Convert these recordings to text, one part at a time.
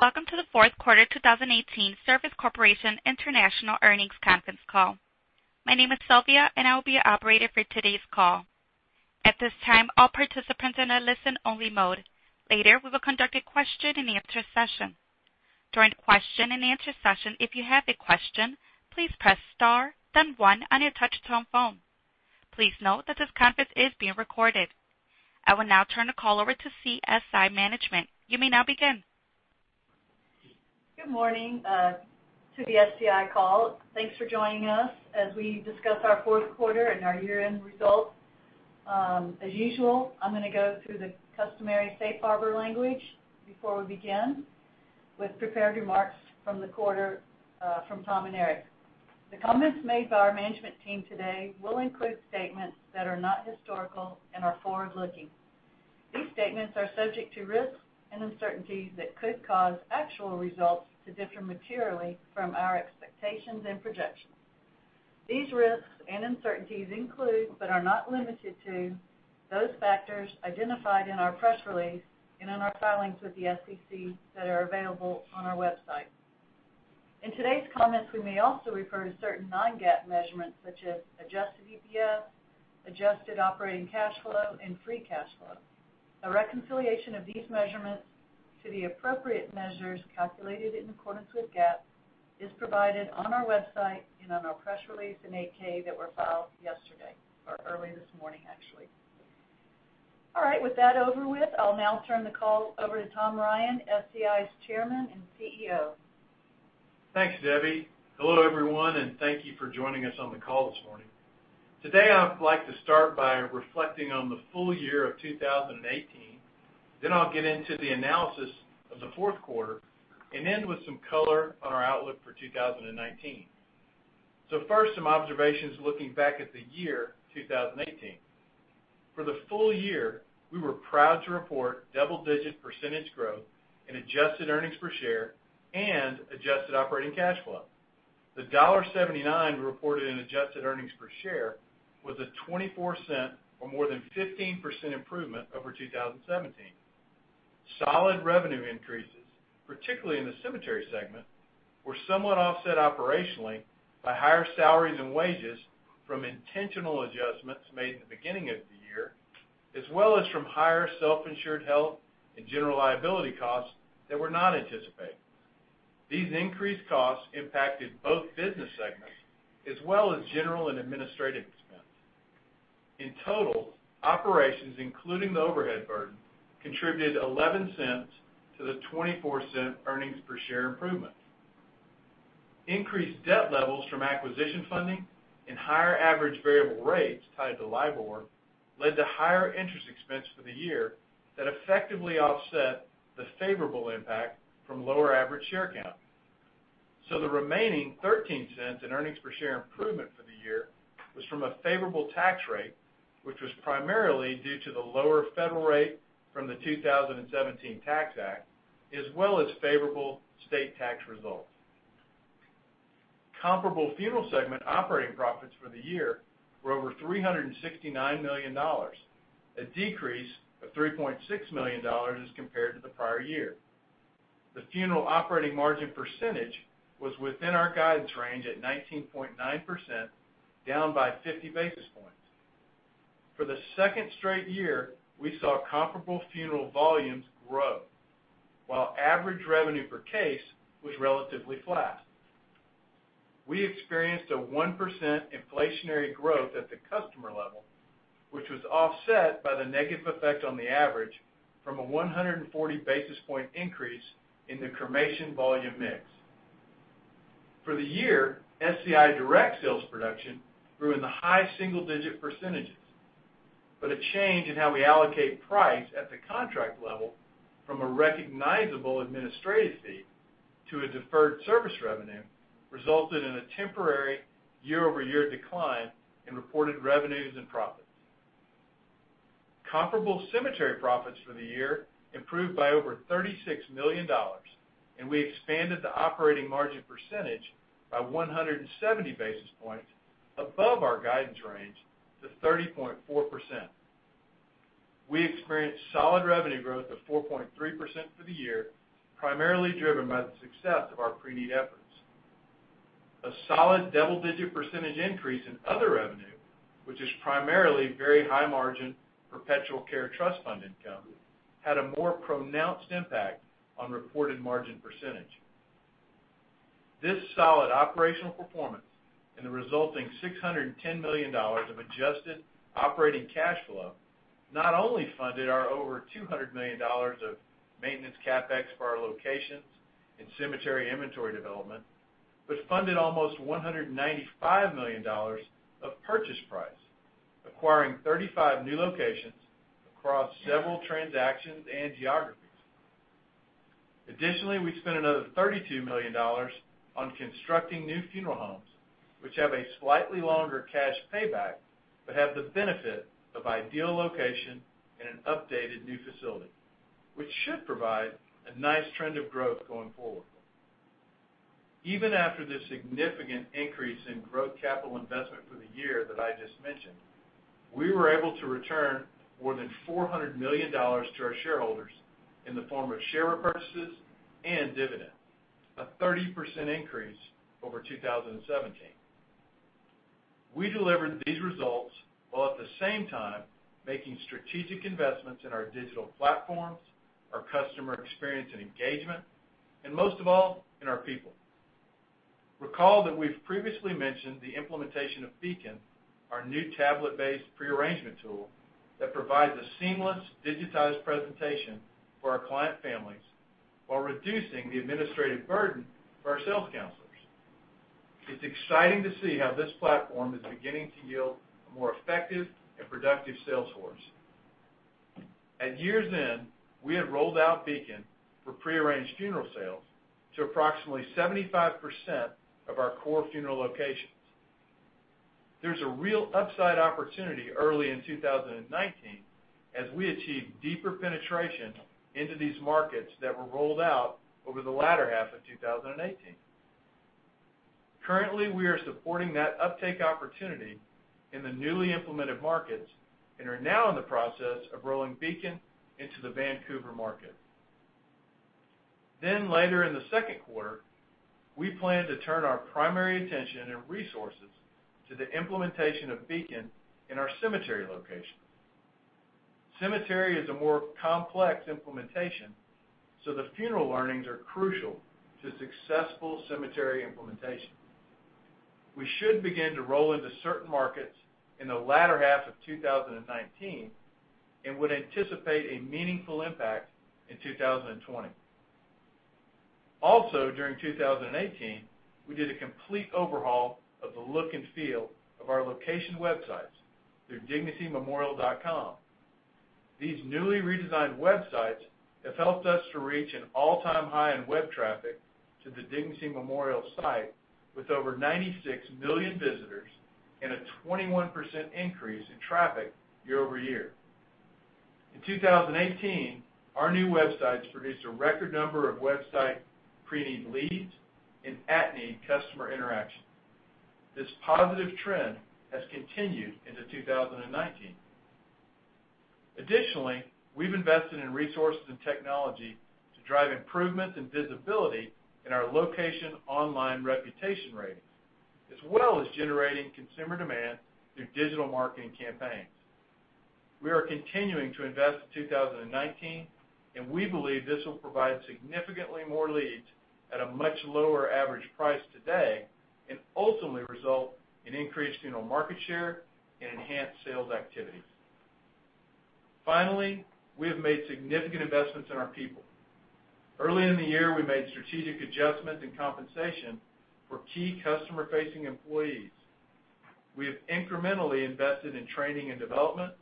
Welcome to the fourth quarter 2018 Service Corporation International earnings conference call. My name is Sylvia, and I will be your operator for today's call. At this time, all participants are in a listen-only mode. Later, we will conduct a question-and-answer session. During the question-and-answer session, if you have a question, please press star then one on your touch-tone phone. Please note that this conference is being recorded. I will now turn the call over to SCI management. You may now begin. Good morning to the SCI call. Thanks for joining us as we discuss our fourth quarter and our year-end results. As usual, I'm going to go through the customary safe harbor language before we begin with prepared remarks from the quarter from Tom and Eric. The comments made by our management team today will include statements that are not historical and are forward-looking. These statements are subject to risks and uncertainties that could cause actual results to differ materially from our expectations and projections. These risks and uncertainties include, but are not limited to, those factors identified in our press release and in our filings with the SEC that are available on our website. In today's comments, we may also refer to certain non-GAAP measurements such as adjusted EPS, adjusted operating cash flow, and free cash flow. A reconciliation of these measurements to the appropriate measures calculated in accordance with GAAP is provided on our website and in our press release in 8-K that were filed yesterday or early this morning, actually. With that over with, I'll now turn the call over to Tom Ryan, SCI's Chairman and CEO. Thanks, Debbie. Hello, everyone. Thank you for joining us on the call this morning. Today, I'd like to start by reflecting on the full year of 2018. I'll get into the analysis of the fourth quarter and end with some color on our outlook for 2019. First, some observations looking back at the year 2018. For the full year, we were proud to report double-digit percentage growth in adjusted earnings per share and adjusted operating cash flow. The $1.79 we reported in adjusted earnings per share was a $0.24 or more than 15% improvement over 2017. Solid revenue increases, particularly in the cemetery segment, were somewhat offset operationally by higher salaries and wages from intentional adjustments made in the beginning of the year, as well as from higher self-insured health and general liability costs that were not anticipated. These increased costs impacted both business segments as well as general and administrative expense. In total, operations, including the overhead burden, contributed $0.11 to the $0.24 earnings per share improvement. Increased debt levels from acquisition funding and higher average variable rates tied to LIBOR led to higher interest expense for the year that effectively offset the favorable impact from lower average share count. The remaining $0.13 in earnings per share improvement for the year was from a favorable tax rate, which was primarily due to the lower federal rate from the 2017 Tax Act, as well as favorable state tax results. Comparable funeral segment operating profits for the year were over $369 million, a decrease of $3.6 million as compared to the prior year. The funeral operating margin percentage was within our guidance range at 19.9%, down by 50 basis points. For the second straight year, we saw comparable funeral volumes grow, while average revenue per case was relatively flat. We experienced a 1% inflationary growth at the customer level, which was offset by the negative effect on the average from a 140-basis point increase in the cremation volume mix. For the year, SCI Direct sales production grew in the high single-digit percentages, but a change in how we allocate price at the contract level from a recognizable administrative fee to a deferred service revenue resulted in a temporary year-over-year decline in reported revenues and profits. Comparable cemetery profits for the year improved by over $36 million, and we expanded the operating margin percentage by 170 basis points above our guidance range to 30.4%. We experienced solid revenue growth of 4.3% for the year, primarily driven by the success of our preneed efforts. A solid double-digit percentage increase in other revenue, which is primarily very high margin perpetual care trust fund income, had a more pronounced impact on reported margin percentage. This solid operational performance and the resulting $610 million of adjusted operating cash flow not only funded our over $200 million of maintenance CapEx for our locations and cemetery inventory development, but funded almost $195 million of purchase price, acquiring 35 new locations across several transactions and geographies. We spent another $32 million on constructing new funeral homes, which have a slightly longer cash payback, but have the benefit of ideal location and an updated new facility, which should provide a nice trend of growth going forward. Even after the significant increase in growth capital investment for the year that I just mentioned, we were able to return more than $400 million to our shareholders in the form of share repurchases and dividend, a 30% increase over 2017. We delivered these results while at the same time making strategic investments in our digital platforms, our customer experience and engagement, and most of all, in our people. Recall that we've previously mentioned the implementation of Beacon, our new tablet-based pre-arrangement tool that provides a seamless, digitized presentation for our client families while reducing the administrative burden for our sales counselors. It's exciting to see how this platform is beginning to yield a more effective and productive sales force. At year's end, we had rolled out Beacon for pre-arranged funeral sales to approximately 75% of our core funeral locations. There's a real upside opportunity early in 2019, as we achieve deeper penetration into these markets that were rolled out over the latter half of 2018. Currently, we are supporting that uptake opportunity in the newly implemented markets and are now in the process of rolling Beacon into the Vancouver market. Later in the second quarter, we plan to turn our primary attention and resources to the implementation of Beacon in our cemetery locations. Cemetery is a more complex implementation, so the funeral learnings are crucial to successful cemetery implementation. We should begin to roll into certain markets in the latter half of 2019 and would anticipate a meaningful impact in 2020. During 2018, we did a complete overhaul of the look and feel of our location websites through dignitymemorial.com. These newly redesigned websites have helped us to reach an all-time high in web traffic to the Dignity Memorial site, with over 96 million visitors and a 21% increase in traffic year-over-year. In 2018, our new websites produced a record number of website preneed leads and at-need customer interactions. This positive trend has continued into 2019. Additionally, we've invested in resources and technology to drive improvements in visibility in our location online reputation ratings as well as generating consumer demand through digital marketing campaigns. We are continuing to invest in 2019. We believe this will provide significantly more leads at a much lower average price today and ultimately result in increased funeral market share and enhanced sales activities. We have made significant investments in our people. Early in the year, we made strategic adjustments in compensation for key customer-facing employees. We have incrementally invested in training and development,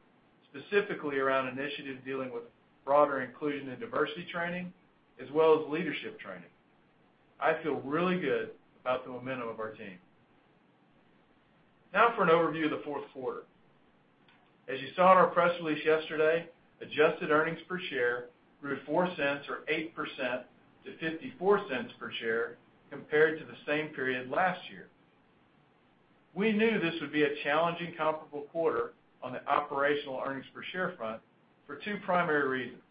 specifically around initiatives dealing with broader inclusion and diversity training, as well as leadership training. I feel really good about the momentum of our team. Now for an overview of the fourth quarter. As you saw in our press release yesterday, adjusted earnings per share grew $0.04 or 8% to $0.54 per share compared to the same period last year. We knew this would be a challenging comparable quarter on the operational earnings per share front for two primary reasons.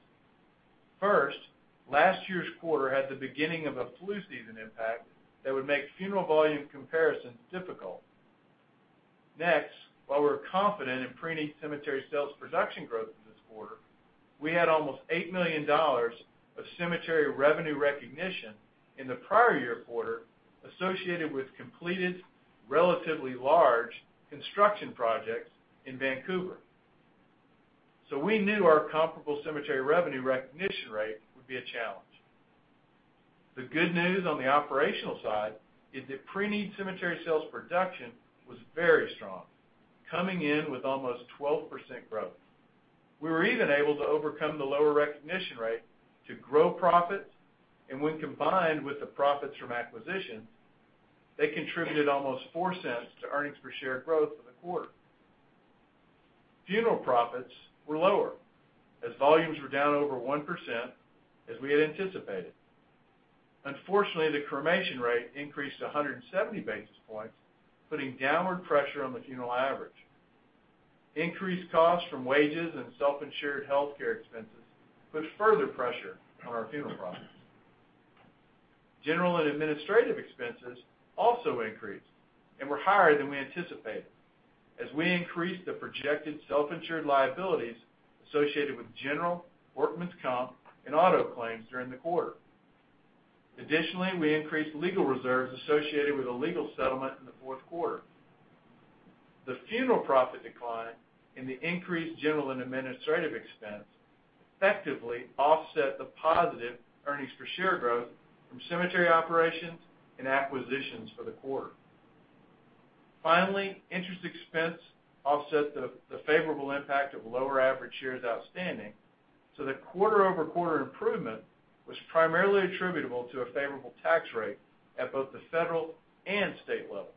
Last year's quarter had the beginning of a flu season impact that would make funeral volume comparisons difficult. While we're confident in preneed cemetery sales production growth in this quarter, we had almost $8 million of cemetery revenue recognition in the prior year quarter associated with completed, relatively large construction projects in Vancouver. We knew our comparable cemetery revenue recognition rate would be a challenge. The good news on the operational side is that preneed cemetery sales production was very strong, coming in with almost 12% growth. We were even able to overcome the lower recognition rate to grow profits, and when combined with the profits from acquisitions, they contributed almost $0.04 to earnings per share growth for the quarter. Funeral profits were lower as volumes were down over 1%, as we had anticipated. Unfortunately, the cremation rate increased 170 basis points, putting downward pressure on the funeral average. Increased costs from wages and self-insured healthcare expenses put further pressure on our funeral profits. General and administrative expenses also increased and were higher than we anticipated as we increased the projected self-insured liabilities associated with general, workman's comp, and auto claims during the quarter. Additionally, we increased legal reserves associated with a legal settlement in the fourth quarter. The funeral profit decline and the increased general and administrative expense effectively offset the positive earnings per share growth from cemetery operations and acquisitions for the quarter. Finally, interest expense offset the favorable impact of lower average shares outstanding, so the quarter-over-quarter improvement was primarily attributable to a favorable tax rate at both the federal and state level.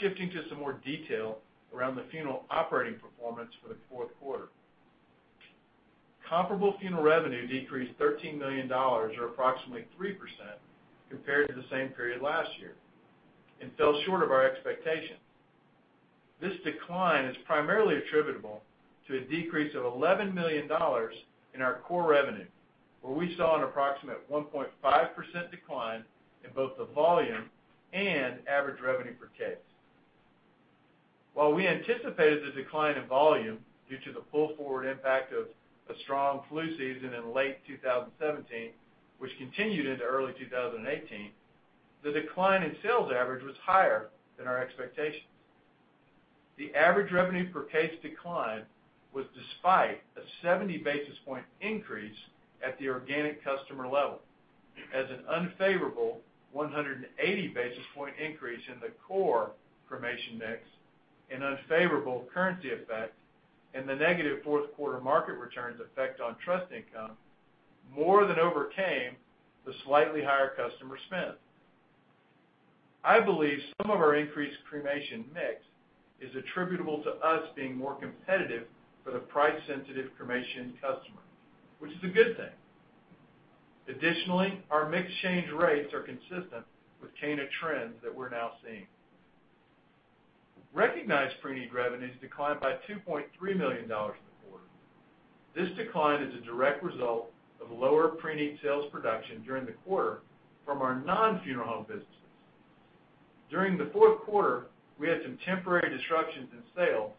Shifting to some more detail around the funeral operating performance for the fourth quarter. Comparable funeral revenue decreased $13 million, or approximately 3%, compared to the same period last year, and fell short of our expectation. This decline is primarily attributable to a decrease of $11 million in our core revenue, where we saw an approximate 1.5% decline in both the volume and average revenue per case. While we anticipated the decline in volume due to the pull-forward impact of a strong flu season in late 2017, which continued into early 2018, the decline in sales average was higher than our expectations. The average revenue per case decline was despite a 70 basis point increase at the organic customer level, as an unfavorable 180 basis point increase in the core cremation mix, an unfavorable currency effect, and the negative fourth quarter market returns effect on trust income more than overcame the slightly higher customer spend. I believe some of our increased cremation mix is attributable to us being more competitive for the price-sensitive cremation customer, which is a good thing. Additionally, our mix change rates are consistent with chain of trends that we're now seeing. Recognized preneed revenues declined by $2.3 million in the quarter. This decline is a direct result of lower preneed sales production during the quarter from our non-funeral home businesses. During the fourth quarter, we had some temporary disruptions in sales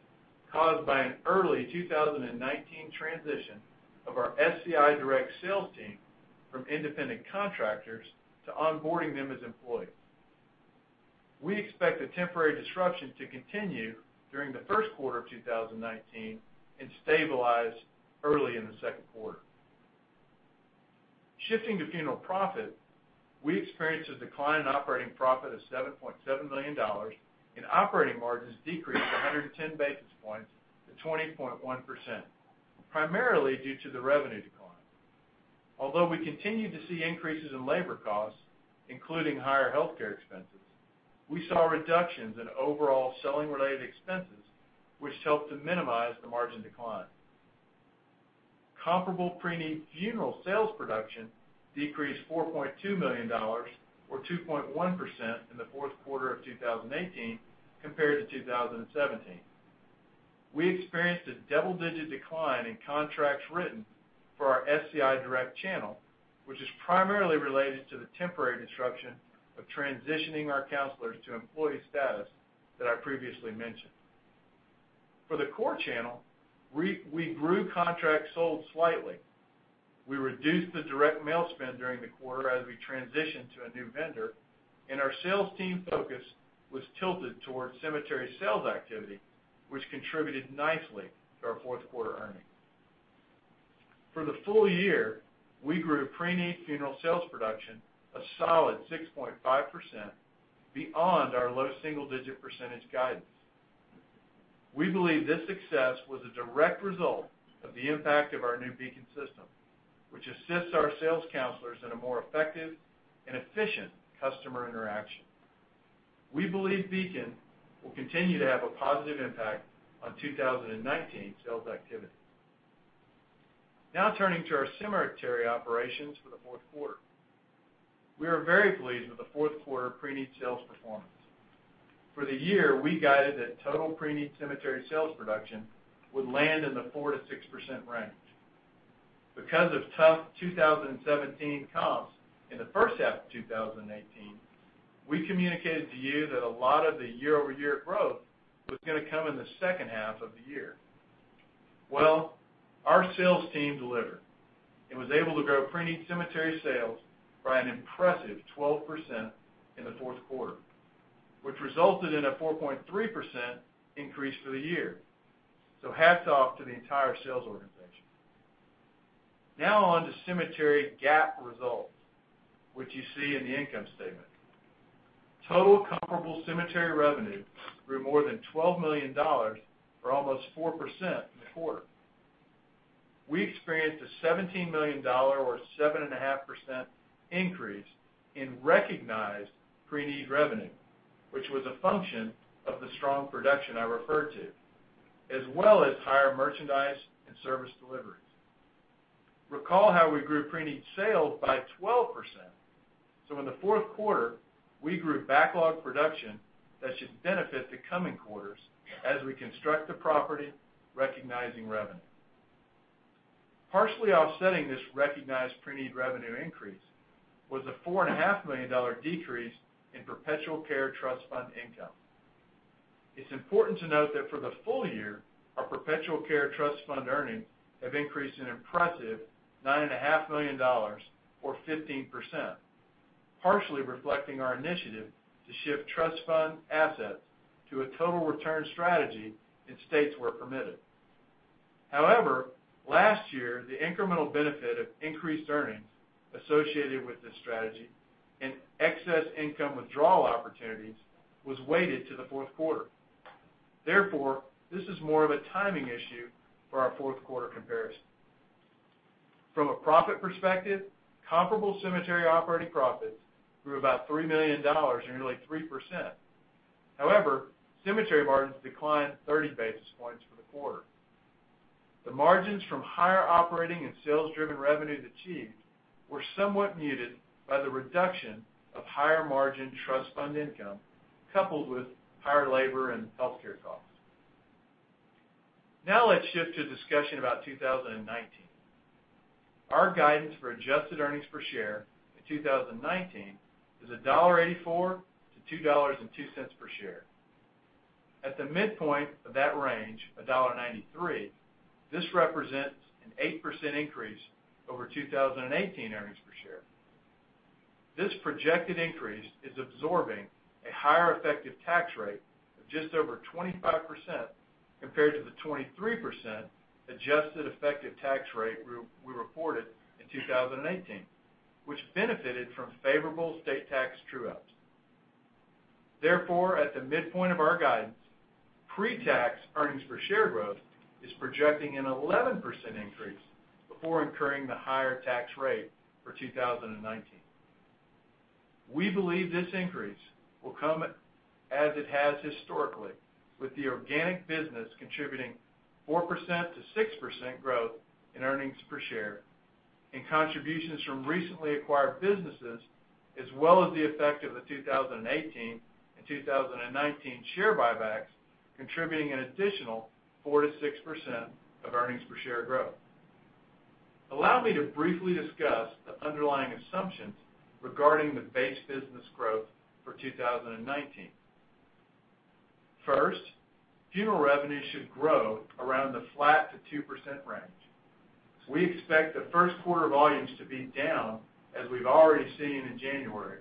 caused by an early 2019 transition of our SCI Direct sales team from independent contractors to onboarding them as employees. We expect the temporary disruption to continue during the first quarter of 2019 and stabilize early in the second quarter. Shifting to funeral profit, we experienced a decline in operating profit of $7.7 million, and operating margins decreased 110 basis points to 20.1%, primarily due to the revenue decline. Although we continue to see increases in labor costs, including higher healthcare expenses, we saw reductions in overall selling-related expenses, which helped to minimize the margin decline. Comparable preneed funeral sales production decreased $4.2 million, or 2.1%, in the fourth quarter of 2018 compared to 2017. We experienced a double-digit decline in contracts written for our SCI Direct channel, which is primarily related to the temporary disruption of transitioning our counselors to employee status that I previously mentioned. For the core channel, we grew contracts sold slightly. We reduced the direct mail spend during the quarter as we transitioned to a new vendor, and our sales team focus was tilted towards cemetery sales activity, which contributed nicely to our fourth quarter earnings. For the full year, we grew preneed funeral sales production a solid 6.5% beyond our low single-digit percentage guidance. We believe this success was a direct result of the impact of our new Beacon system, which assists our sales counselors in a more effective and efficient customer interaction. We believe Beacon will continue to have a positive impact on 2019 sales activity. Turning to our cemetery operations for the fourth quarter. We are very pleased with the fourth quarter pre-need sales performance. For the year, we guided that total pre-need cemetery sales production would land in the 4%-6% range. Because of tough 2017 comps in the first half of 2018, we communicated to you that a lot of the year-over-year growth was going to come in the second half of the year. Our sales team delivered and was able to grow pre-need cemetery sales by an impressive 12% in the fourth quarter, which resulted in a 4.3% increase for the year. Hats off to the entire sales organization. On to cemetery GAAP results, which you see in the income statement. Total comparable cemetery revenue grew more than $12 million, or almost 4%, in the quarter. We experienced a $17 million, or 7.5%, increase in recognized pre-need revenue, which was a function of the strong production I referred to, as well as higher merchandise and service deliveries. Recall how we grew pre-need sales by 12%. In the fourth quarter, we grew backlog production that should benefit the coming quarters as we construct the property, recognizing revenue. Partially offsetting this recognized pre-need revenue increase was a $4.5 million decrease in perpetual care trust fund income. It's important to note that for the full year, our perpetual care trust fund earnings have increased an impressive $9.5 million, or 15%, partially reflecting our initiative to shift trust fund assets to a total return strategy in states where permitted. Last year, the incremental benefit of increased earnings associated with this strategy and excess income withdrawal opportunities was weighted to the fourth quarter. This is more of a timing issue for our fourth quarter comparison. From a profit perspective, comparable cemetery operating profits grew about $3 million, or nearly 3%. However, cemetery margins declined 30 basis points for the quarter. The margins from higher operating and sales-driven revenues achieved were somewhat muted by the reduction of higher-margin trust fund income, coupled with higher labor and healthcare costs. Let's shift to a discussion about 2019. Our guidance for adjusted earnings per share in 2019 is $1.84-$2.02 per share. At the midpoint of that range, $1.93, this represents an 8% increase over 2018 earnings per share. This projected increase is absorbing a higher effective tax rate of just over 25% compared to the 23% adjusted effective tax rate we reported in 2018, which benefited from favorable state tax true-ups. At the midpoint of our guidance, pre-tax earnings per share growth is projecting an 11% increase before incurring the higher tax rate for 2019. We believe this increase will come as it has historically, with the organic business contributing 4%-6% growth in earnings per share, and contributions from recently acquired businesses, as well as the effect of the 2018 and 2019 share buybacks contributing an additional 4%-6% of earnings per share growth. Allow me to briefly discuss the underlying assumptions regarding the base business growth for 2019. Funeral revenues should grow around the flat-2% range. We expect the first quarter volumes to be down as we've already seen in January,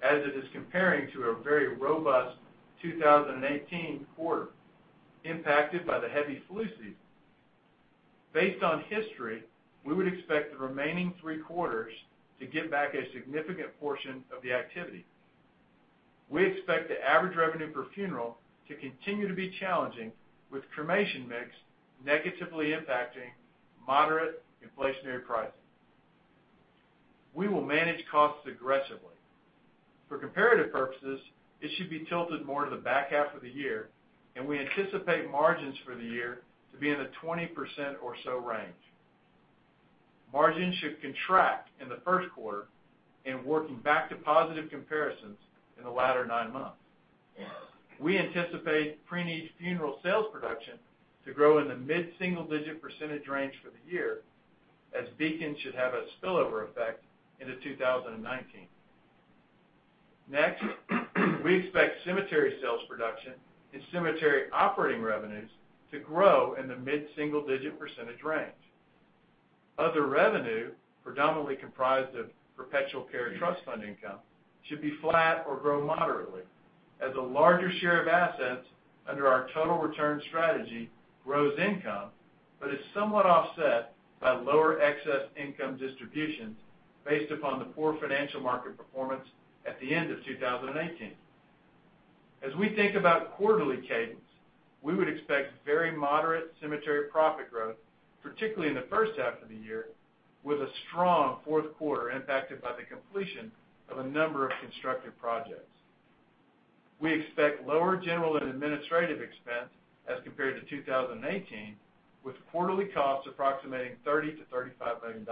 as it is comparing to a very robust 2018 quarter impacted by the heavy flu season. Based on history, we would expect the remaining three quarters to give back a significant portion of the activity. We expect the average revenue per funeral to continue to be challenging, with cremation mix negatively impacting moderate inflationary prices. We will manage costs aggressively. For comparative purposes, it should be tilted more to the back half of the year, and we anticipate margins for the year to be in the 20%-or-so range. Margins should contract in the first quarter and working back to positive comparisons in the latter nine months. We anticipate preneed funeral sales production to grow in the mid-single-digit percentage range for the year, as Beacon should have a spillover effect into 2019. We expect cemetery sales production and cemetery operating revenues to grow in the mid-single-digit percentage range. Other revenue, predominantly comprised of perpetual care trust fund income, should be flat or grow moderately as a larger share of assets under our total return strategy grows income but is somewhat offset by lower excess income distributions based upon the poor financial market performance at the end of 2018. As we think about quarterly cadence, we would expect very moderate cemetery profit growth, particularly in the first half of the year, with a strong fourth quarter impacted by the completion of a number of constructive projects. We expect lower general and administrative expense as compared to 2018, with quarterly costs approximating $30 million-$35 million.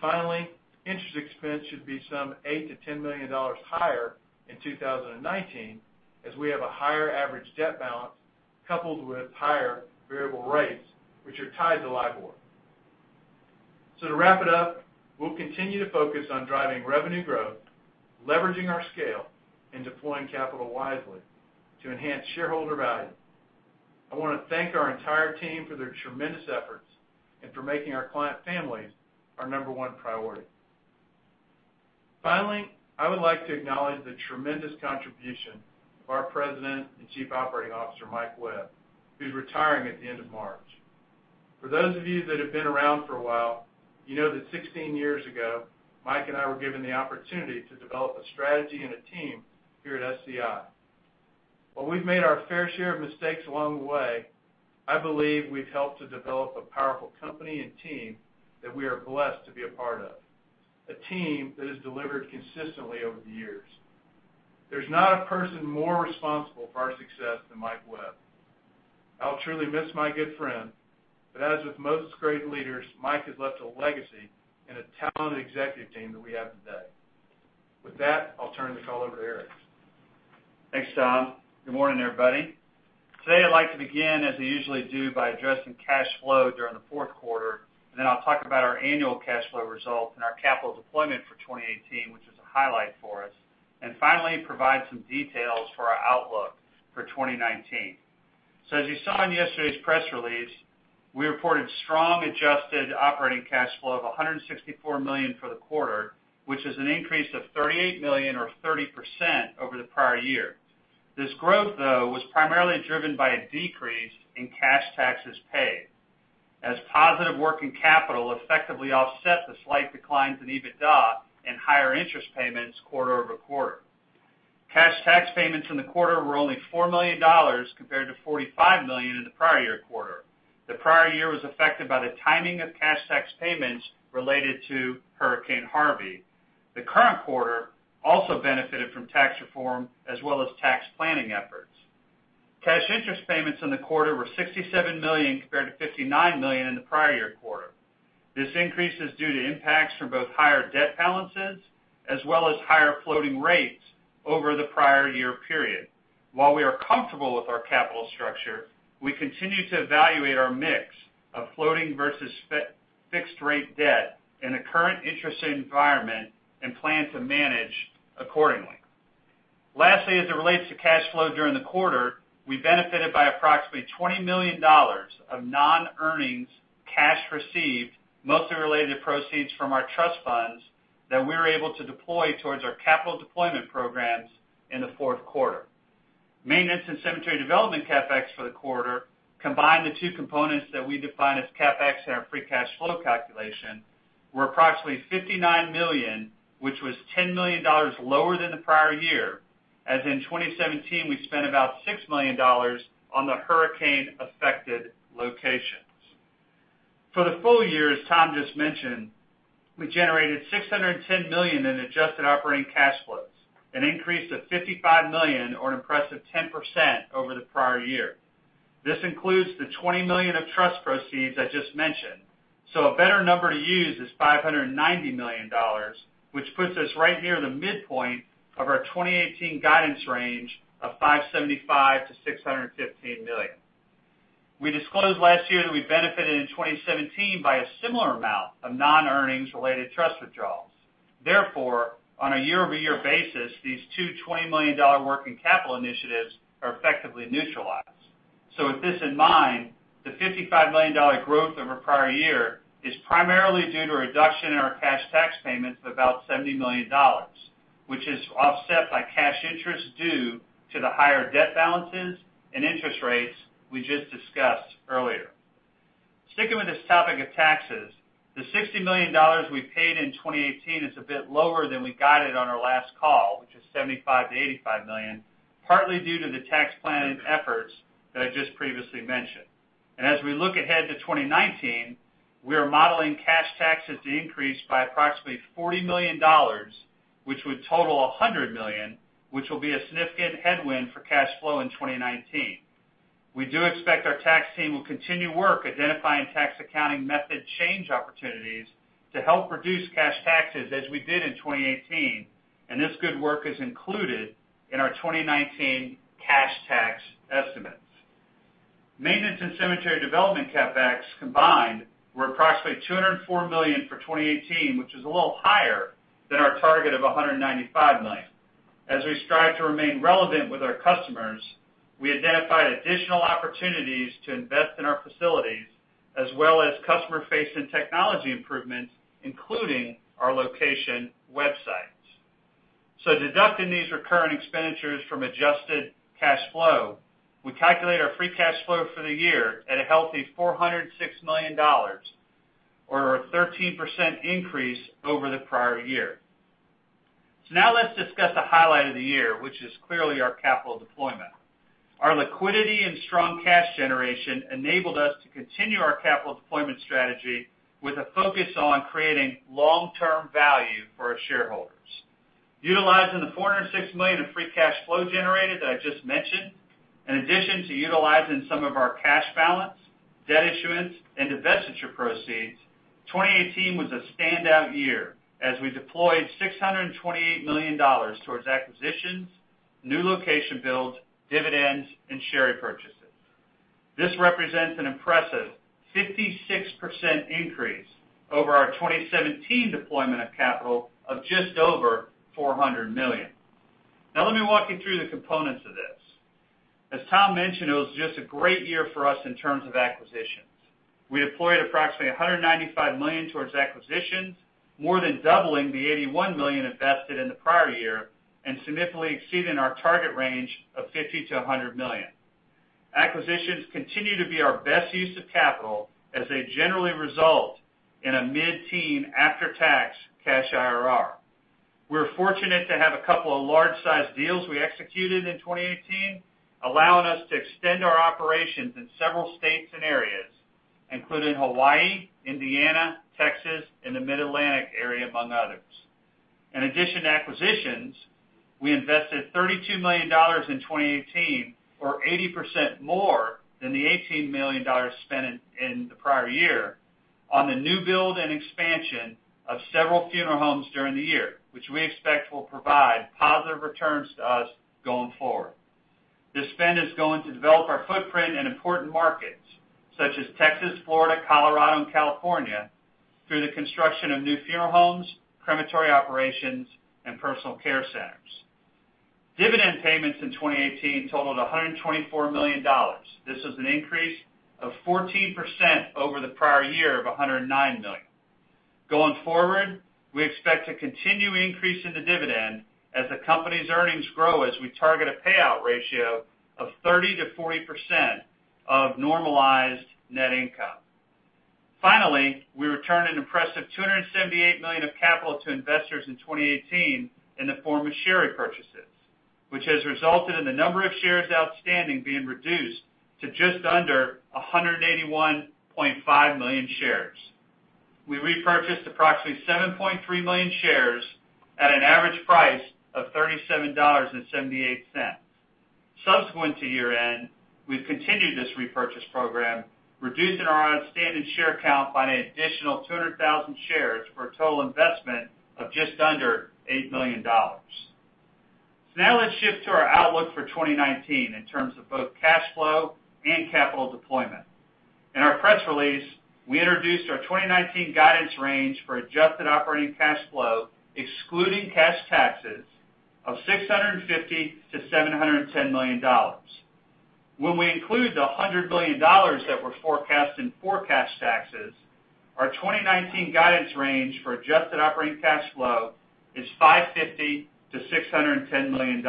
Finally, interest expense should be some $8 million-$10 million higher in 2019 as we have a higher average debt balance coupled with higher variable rates, which are tied to LIBOR. To wrap it up, we'll continue to focus on driving revenue growth, leveraging our scale, and deploying capital wisely to enhance shareholder value. I want to thank our entire team for their tremendous efforts and for making our client families our number one priority. Finally, I would like to acknowledge the tremendous contribution of our President and Chief Operating Officer, Mike Webb, who's retiring at the end of March. For those of you that have been around for a while, you know that 16 years ago, Mike and I were given the opportunity to develop a strategy and a team here at SCI. While we've made our fair share of mistakes along the way, I believe we've helped to develop a powerful company and team that we are blessed to be a part of, a team that has delivered consistently over the years. There's not a person more responsible for our success than Mike Webb. I'll truly miss my good friend, but as with most great leaders, Mike has left a legacy and a talented executive team that we have today. With that, I'll turn the call over to Eric. Thanks, Tom. Good morning, everybody. Today, I'd like to begin, as I usually do, by addressing cash flow during the fourth quarter. Then I'll talk about our annual cash flow results and our capital deployment for 2018, which is a highlight for us. Finally, provide some details for our outlook for 2019. As you saw in yesterday's press release, we reported strong adjusted operating cash flow of $164 million for the quarter, which is an increase of $38 million or 30% over the prior year. This growth, though, was primarily driven by a decrease in cash taxes paid as positive working capital effectively offset the slight declines in EBITDA and higher interest payments quarter-over-quarter. Cash tax payments in the quarter were only $4 million compared to $45 million in the prior year quarter. The prior year was affected by the timing of cash tax payments related to Hurricane Harvey. The current quarter also benefited from tax reform as well as tax planning efforts. Cash interest payments in the quarter were $67 million compared to $59 million in the prior year quarter. This increase is due to impacts from both higher debt balances as well as higher floating rates over the prior year period. While we are comfortable with our capital structure, we continue to evaluate our mix of floating versus fixed rate debt in the current interest rate environment and plan to manage accordingly. Lastly, as it relates to cash flow during the quarter, we benefited by approximately $20 million of non-earnings cash received, mostly related to proceeds from our trust funds that we were able to deploy towards our capital deployment programs in the fourth quarter. Maintenance and cemetery development CapEx for the quarter, combined the two components that we define as CapEx in our free cash flow calculation, were approximately $59 million, which was $10 million lower than the prior year, as in 2017, we spent about $6 million on the hurricane-affected locations. For the full year, as Tom just mentioned, we generated $610 million in adjusted operating cash flows, an increase of $55 million or an impressive 10% over the prior year. This includes the $20 million of trust proceeds I just mentioned. A better number to use is $590 million, which puts us right near the midpoint of our 2018 guidance range of $575 million-$615 million. We disclosed last year that we benefited in 2017 by a similar amount of non-earnings-related trust withdrawals. Therefore, on a year-over-year basis, these two $20 million working capital initiatives are effectively neutralized. With this in mind, the $55 million growth over prior year is primarily due to a reduction in our cash tax payments of about $70 million, which is offset by cash interest due to the higher debt balances and interest rates we just discussed earlier. Sticking with this topic of taxes, the $60 million we paid in 2018 is a bit lower than we guided on our last call, which was $75 million-$85 million, partly due to the tax planning efforts that I just previously mentioned. As we look ahead to 2019, we are modeling cash taxes to increase by approximately $40 million, which would total $100 million, which will be a significant headwind for cash flow in 2019. We do expect our tax team will continue work identifying tax accounting method change opportunities to help reduce cash taxes as we did in 2018, and this good work is included in our 2019 cash tax estimates. Maintenance and cemetery development CapEx combined were approximately $204 million for 2018, which is a little higher than our target of $195 million. As we strive to remain relevant with our customers, we identified additional opportunities to invest in our facilities as well as customer-facing technology improvements, including our location websites. Deducting these recurring expenditures from adjusted cash flow, we calculate our free cash flow for the year at a healthy $406 million, or a 13% increase over the prior year. Now let's discuss the highlight of the year, which is clearly our capital deployment. Our liquidity and strong cash generation enabled us to continue our capital deployment strategy with a focus on creating long-term value for our shareholders. Utilizing the $406 million of free cash flow generated that I just mentioned, in addition to utilizing some of our cash balance, debt issuance, and divestiture proceeds, 2018 was a standout year as we deployed $628 million towards acquisitions, new location builds, dividends, and share repurchases. This represents an impressive 56% increase over our 2017 deployment of capital of just over $400 million. Now let me walk you through the components of this. As Tom mentioned, it was just a great year for us in terms of acquisitions. We deployed approximately $195 million towards acquisitions, more than doubling the $81 million invested in the prior year, and significantly exceeding our target range of $50 million-$100 million. Acquisitions continue to be our best use of capital as they generally result in a mid-teen after-tax cash IRR. We're fortunate to have a couple of large-sized deals we executed in 2018, allowing us to extend our operations in several states and areas, including Hawaii, Indiana, Texas, and the Mid-Atlantic area, among others. In addition to acquisitions, we invested $32 million in 2018, or 80% more than the $18 million spent in the prior year, on the new build and expansion of several funeral homes during the year, which we expect will provide positive returns to us going forward. This spend is going to develop our footprint in important markets such as Texas, Florida, Colorado, and California through the construction of new funeral homes, crematory operations, and personal care centers. Dividend payments in 2018 totaled $124 million. This is an increase of 14% over the prior year of $109 million. We expect to continue increasing the dividend as the company's earnings grow as we target a payout ratio of 30%-40% of normalized net income. We returned an impressive $278 million of capital to investors in 2018 in the form of share repurchases, which has resulted in the number of shares outstanding being reduced to just under 181.5 million shares. We repurchased approximately 7.3 million shares at an average price of $37.78. Subsequent to year-end, we've continued this repurchase program, reducing our outstanding share count by an additional 200,000 shares for a total investment of just under $8 million. Now let's shift to our outlook for 2019 in terms of both cash flow and capital deployment. In our press release, we introduced our 2019 guidance range for adjusted operating cash flow, excluding cash taxes of $650 million-$710 million. When we include the $100 million that were forecast in forecast taxes, our 2019 guidance range for adjusted operating cash flow is $550 million-$610 million.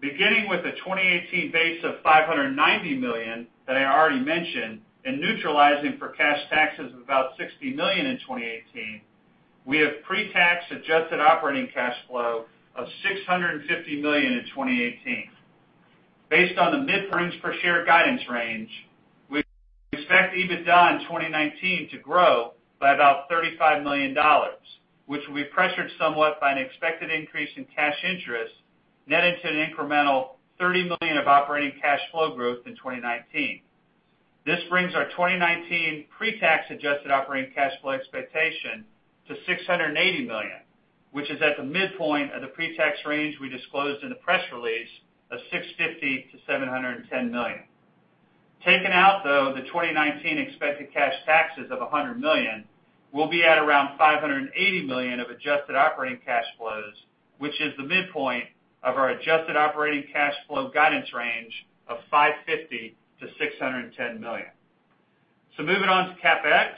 Beginning with the 2018 base of $590 million that I already mentioned, and neutralizing for cash taxes of about $60 million in 2018, we have pre-tax adjusted operating cash flow of $650 million in 2018. Based on the mid-range per share guidance range, we expect EBITDA in 2019 to grow by about $35 million, which will be pressured somewhat by an expected increase in cash interest, net into an incremental $30 million of operating cash flow growth in 2019. This brings our 2019 pre-tax adjusted operating cash flow expectation to $680 million, which is at the midpoint of the pre-tax range we disclosed in the press release of $650 million-$710 million. Taken out, though, the 2019 expected cash taxes of $100 million will be at around $580 million of adjusted operating cash flows, which is the midpoint of our adjusted operating cash flow guidance range of $550 million-$610 million. Moving on to CapEx,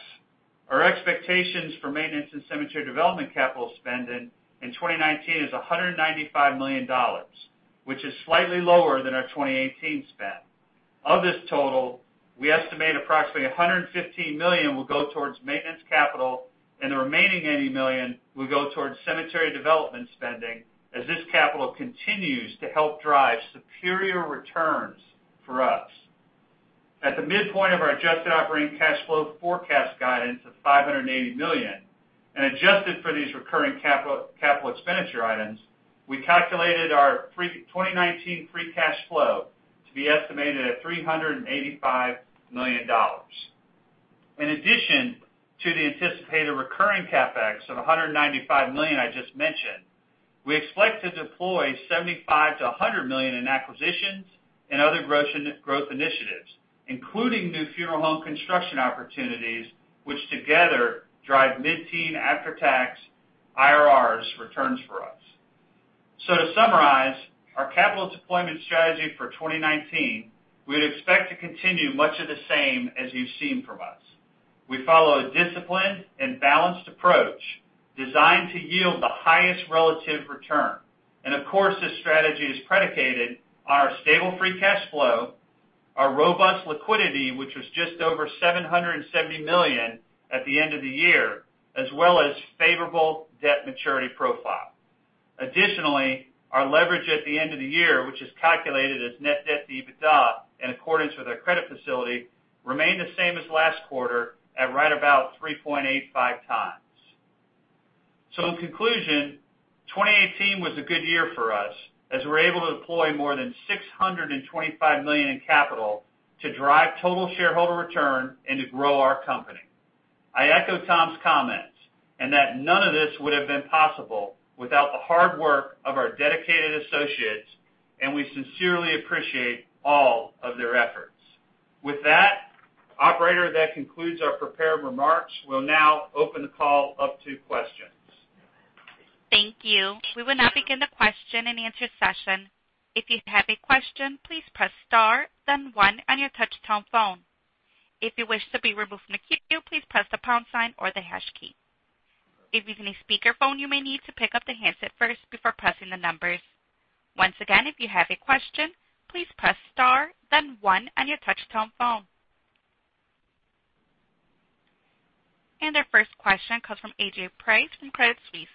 our expectations for maintenance and cemetery development capital spending in 2019 is $195 million, which is slightly lower than our 2018 spend. Of this total, we estimate approximately $115 million will go towards maintenance capital, and the remaining $80 million will go towards cemetery development spending as this capital continues to help drive superior returns for us. At the midpoint of our adjusted operating cash flow forecast guidance of $580 million, and adjusted for these recurring capital expenditure items, we calculated our 2019 free cash flow to be estimated at $385 million. In addition to the anticipated recurring CapEx of $195 million I just mentioned, we expect to deploy $75 million-$100 million in acquisitions and other growth initiatives, including new funeral home construction opportunities, which together drive mid-teen after-tax IRRs returns for us. To summarize, our capital deployment strategy for 2019, we'd expect to continue much of the same as you've seen from us. We follow a disciplined and balanced approach designed to yield the highest relative return. This strategy is predicated on our stable free cash flow, our robust liquidity, which was just over $770 million at the end of the year, as well as favorable debt maturity profile. Additionally, our leverage at the end of the year, which is calculated as net debt to EBITDA in accordance with our credit facility, remained the same as last quarter at right about 3.85 times. In conclusion, 2018 was a good year for us as we were able to deploy more than $625 million in capital to drive total shareholder return and to grow our company. I echo Tom's comments in that none of this would have been possible without the hard work of our dedicated associates, and we sincerely appreciate all of their efforts. With that, operator, that concludes our prepared remarks. We'll now open the call up to questions. Thank you. We will now begin the question and answer session. If you have a question, please press star then one on your touch-tone phone. If you wish to be removed from the queue, please press the pound sign or the hash key. If using a speakerphone, you may need to pick up the handset first before pressing the numbers. Once again, if you have a question, please press star then one on your touch-tone phone. Our first question comes from A.J. Rice from Credit Suisse.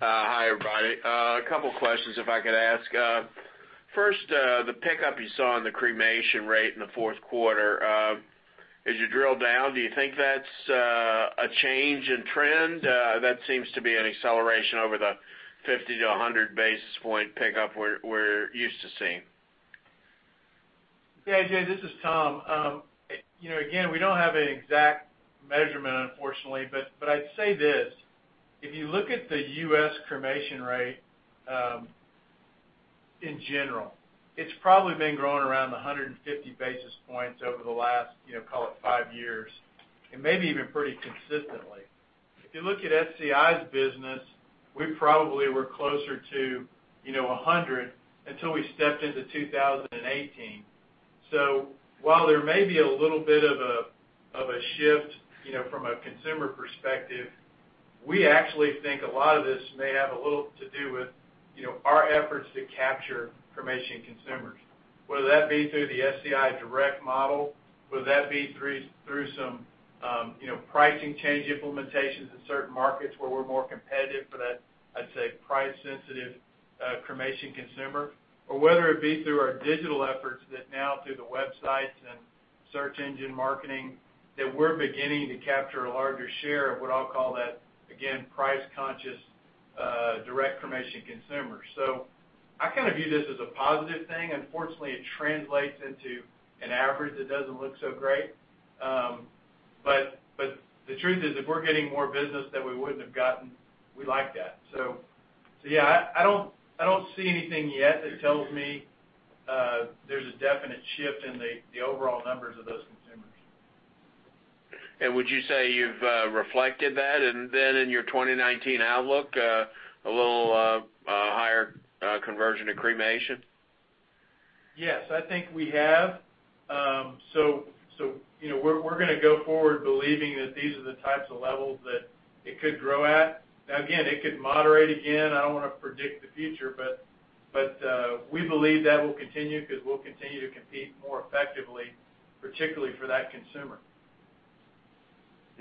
Hi, everybody. A couple questions if I could ask. First, the pickup you saw in the cremation rate in the fourth quarter, as you drill down, do you think that's a change in trend? That seems to be an acceleration over the 50 to 100 basis point pickup we're used to seeing. Yeah, A.J., this is Tom. Again, we don't have an exact measurement, unfortunately, but I'd say this. If you look at the U.S. cremation rate, in general, it's probably been growing around 150 basis points over the last, call it five years, and maybe even pretty consistently. If you look at SCI's business, we probably were closer to 100 until we stepped into 2018. While there may be a little bit of a of a shift from a consumer perspective, we actually think a lot of this may have a little to do with our efforts to capture cremation consumers, whether that be through the SCI Direct model, whether that be through some pricing change implementations in certain markets where we're more competitive for that, I'd say, price-sensitive cremation consumer. Whether it be through our digital efforts that now through the websites and search engine marketing, that we're beginning to capture a larger share of what I'll call that, again, price conscious, direct cremation consumer. I kind of view this as a positive thing. Unfortunately, it translates into an average that doesn't look so great. The truth is, if we're getting more business that we wouldn't have gotten, we like that. Yeah, I don't see anything yet that tells me there's a definite shift in the overall numbers of those consumers. Would you say you've reflected that, and then in your 2019 outlook, a little higher conversion to cremation? Yes, I think we have. We're going to go forward believing that these are the types of levels that it could grow at. Again, it could moderate again, I don't want to predict the future, we believe that will continue because we'll continue to compete more effectively, particularly for that consumer.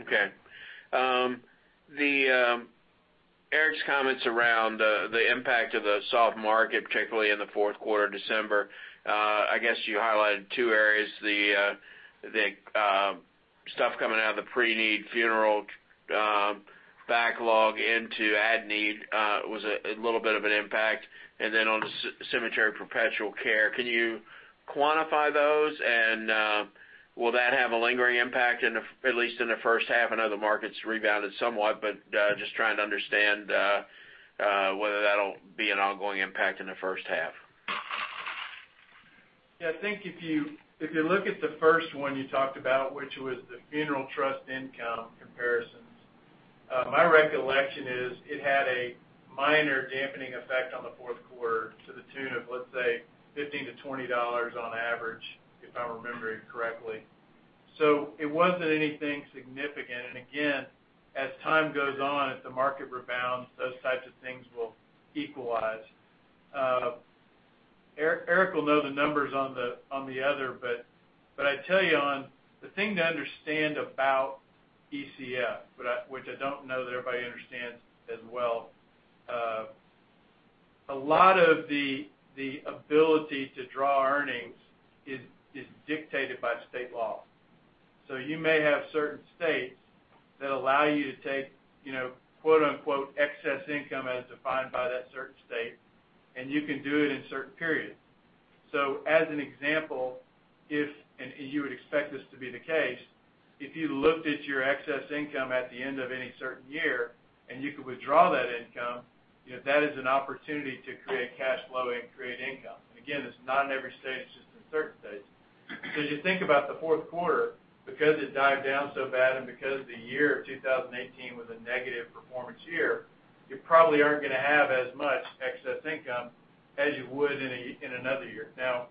Okay. Eric's comments around the impact of the soft market, particularly in the fourth quarter, December, I guess you highlighted two areas, the stuff coming out of the preneed funeral backlog into at-need was a little bit of an impact, and then on cemetery perpetual care. Can you quantify those, and will that have a lingering impact at least in the first half? I know the market's rebounded somewhat, but just trying to understand whether that'll be an ongoing impact in the first half. Yeah, I think if you look at the first one you talked about, which was the funeral trust income comparisons, my recollection is it had a minor dampening effect on the fourth quarter to the tune of, let's say, $15-$20 on average, if I remember it correctly. It wasn't anything significant, and again, as time goes on, as the market rebounds, those types of things will equalize. Eric will know the numbers on the other, but I tell you, the thing to understand about PCF, which I don't know that everybody understands as well, a lot of the ability to draw earnings is dictated by state law. You may have certain states that allow you to take "excess income" as defined by that certain state, and you can do it in certain periods. As an example, if, and you would expect this to be the case, if you looked at your excess income at the end of any certain year, and you could withdraw that income, that is an opportunity to create cash flow and create income. Again, it's not in every state, it's just in certain states. As you think about the fourth quarter, because it dived down so bad and because the year of 2018 was a negative performance year, you probably aren't going to have as much excess income as you would in another year. Now,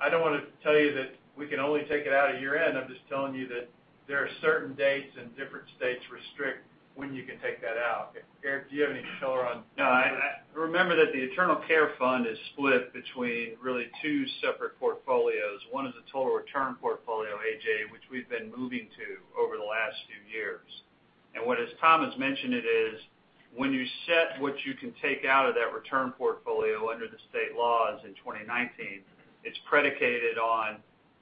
I don't want to tell you that we can only take it out at year-end. I'm just telling you that there are certain dates, and different states restrict when you can take that out. Eric, do you have any color on that? No. Remember that the perpetual care fund is split between really two separate portfolios. One is a total return portfolio, A.J., which we've been moving to over the last few years. What, as Tom has mentioned it is, when you set what you can take out of that return portfolio under the state laws in 2019, it's predicated on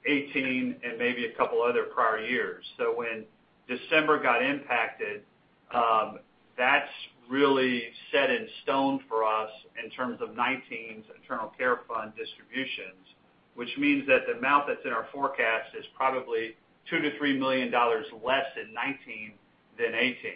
2018 and maybe a couple other prior years. When December got impacted, that's really set in stone for us in terms of 2019's perpetual care fund distributions, which means that the amount that's in our forecast is probably $2 million-$3 million less in 2019 than 2018.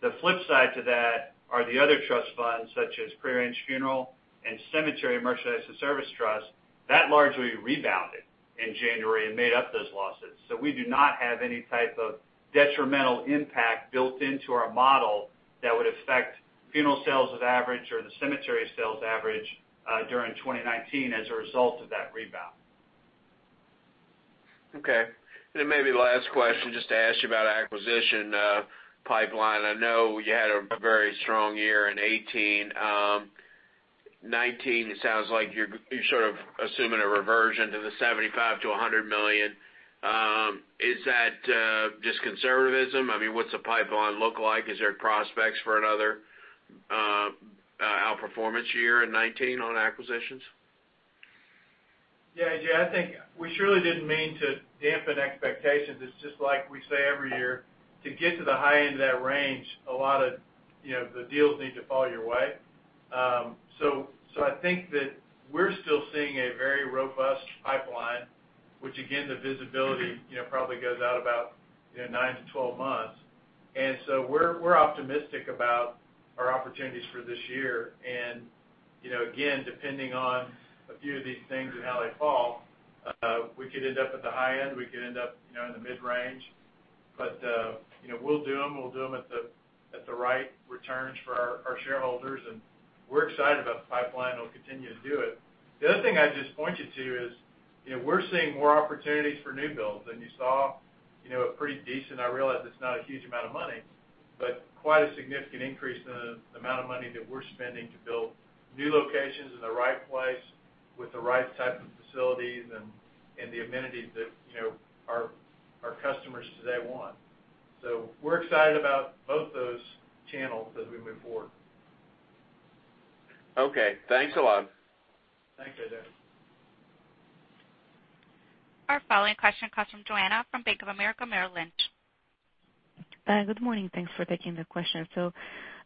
The flip side to that are the other trust funds, such as preneed funeral and cemetery merchandise and service trust. That largely rebounded in January and made up those losses. We do not have any type of detrimental impact built into our model that would affect funeral sales average or the cemetery sales average during 2019 as a result of that rebound. Okay. Maybe last question, just to ask you about acquisition pipeline. I know you had a very strong year in 2018. 2019, it sounds like you're sort of assuming a reversion to the $75 million-$100 million. Is that just conservatism? I mean, what's the pipeline look like? Is there prospects for another outperformance year in 2019 on acquisitions? Yeah, A.J., I think we surely didn't mean to dampen expectations. It's just like we say every year, to get to the high end of that range, a lot of the deals need to fall your way. I think that we're still seeing a very robust pipeline, which again, the visibility probably goes out about nine to 12 months. We're optimistic about our opportunities for this year, and again, depending on a few of these things and how they fall, we could end up at the high end, we could end up in the mid-range. We'll do them, we'll do them at the right returns for our shareholders, and we're excited about the pipeline and we'll continue to do it. The other thing I'd just point you to is, we're seeing more opportunities for new builds. You saw a pretty decent, I realize it's not a huge amount of money, but quite a significant increase in the amount of money that we're spending to build new locations in the right place with the right type of facilities and the amenities that our customers today want. We're excited about both those channels as we move forward. Okay, thanks a lot. Thanks, A.J. Our following question comes from Joanna from Bank of America Merrill Lynch. Hi. Good morning. Thanks for taking the question.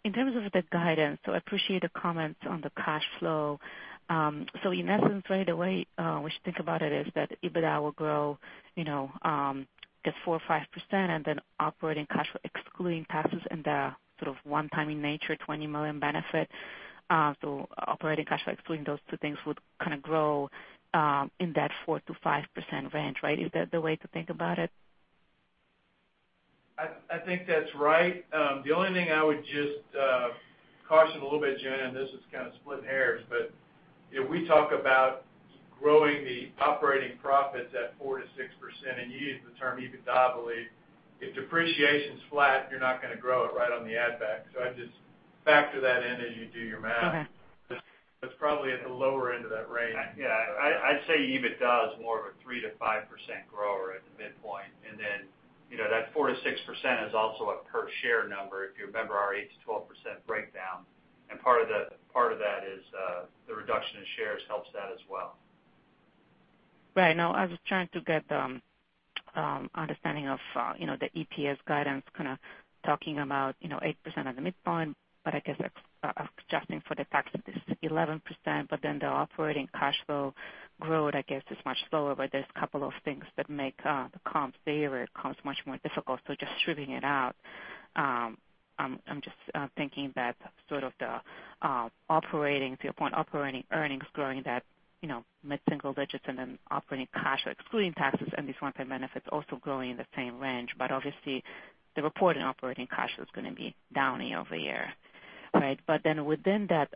In terms of the guidance, I appreciate the comments on the cash flow. In essence, right, the way we should think about it is that EBITDA will grow just 4% or 5% and then operating cash flow, excluding taxes and the sort of one-time in nature, $20 million benefit. Operating cash flow, excluding those two things, would kind of grow in that 4%-5% range, right? Is that the way to think about it? I think that's right. The only thing I would just caution a little bit, Joanna, and this is kind of splitting hairs, but if we talk about growing the operating profits at 4%-6%, and you use the term EBITDA, if depreciation's flat, you're not going to grow it right on the add back. I would just factor that in as you do your math. Okay. It's probably at the lower end of that range. Yeah, I'd say EBITDA is more of a 3%-5% grower at the midpoint. That 4%-6% is also a per share number, if you remember our 8%-12% breakdown. Part of that is the reduction in shares helps that as well. Right. No, I was trying to get understanding of the EPS guidance, kind of talking about 8% at the midpoint, but I guess adjusting for the tax benefits, 11%, but then the operating cash flow growth, I guess, is much slower. There's a couple of things that make the comps favor, comps much more difficult. Just stripping it out, I'm just thinking that sort of the operating, to your point, operating earnings growing that mid-single digits and then operating cash, excluding taxes and these one-time benefits, also growing in the same range. Obviously, the reported operating cash is going to be down year-over-year. Right? Within that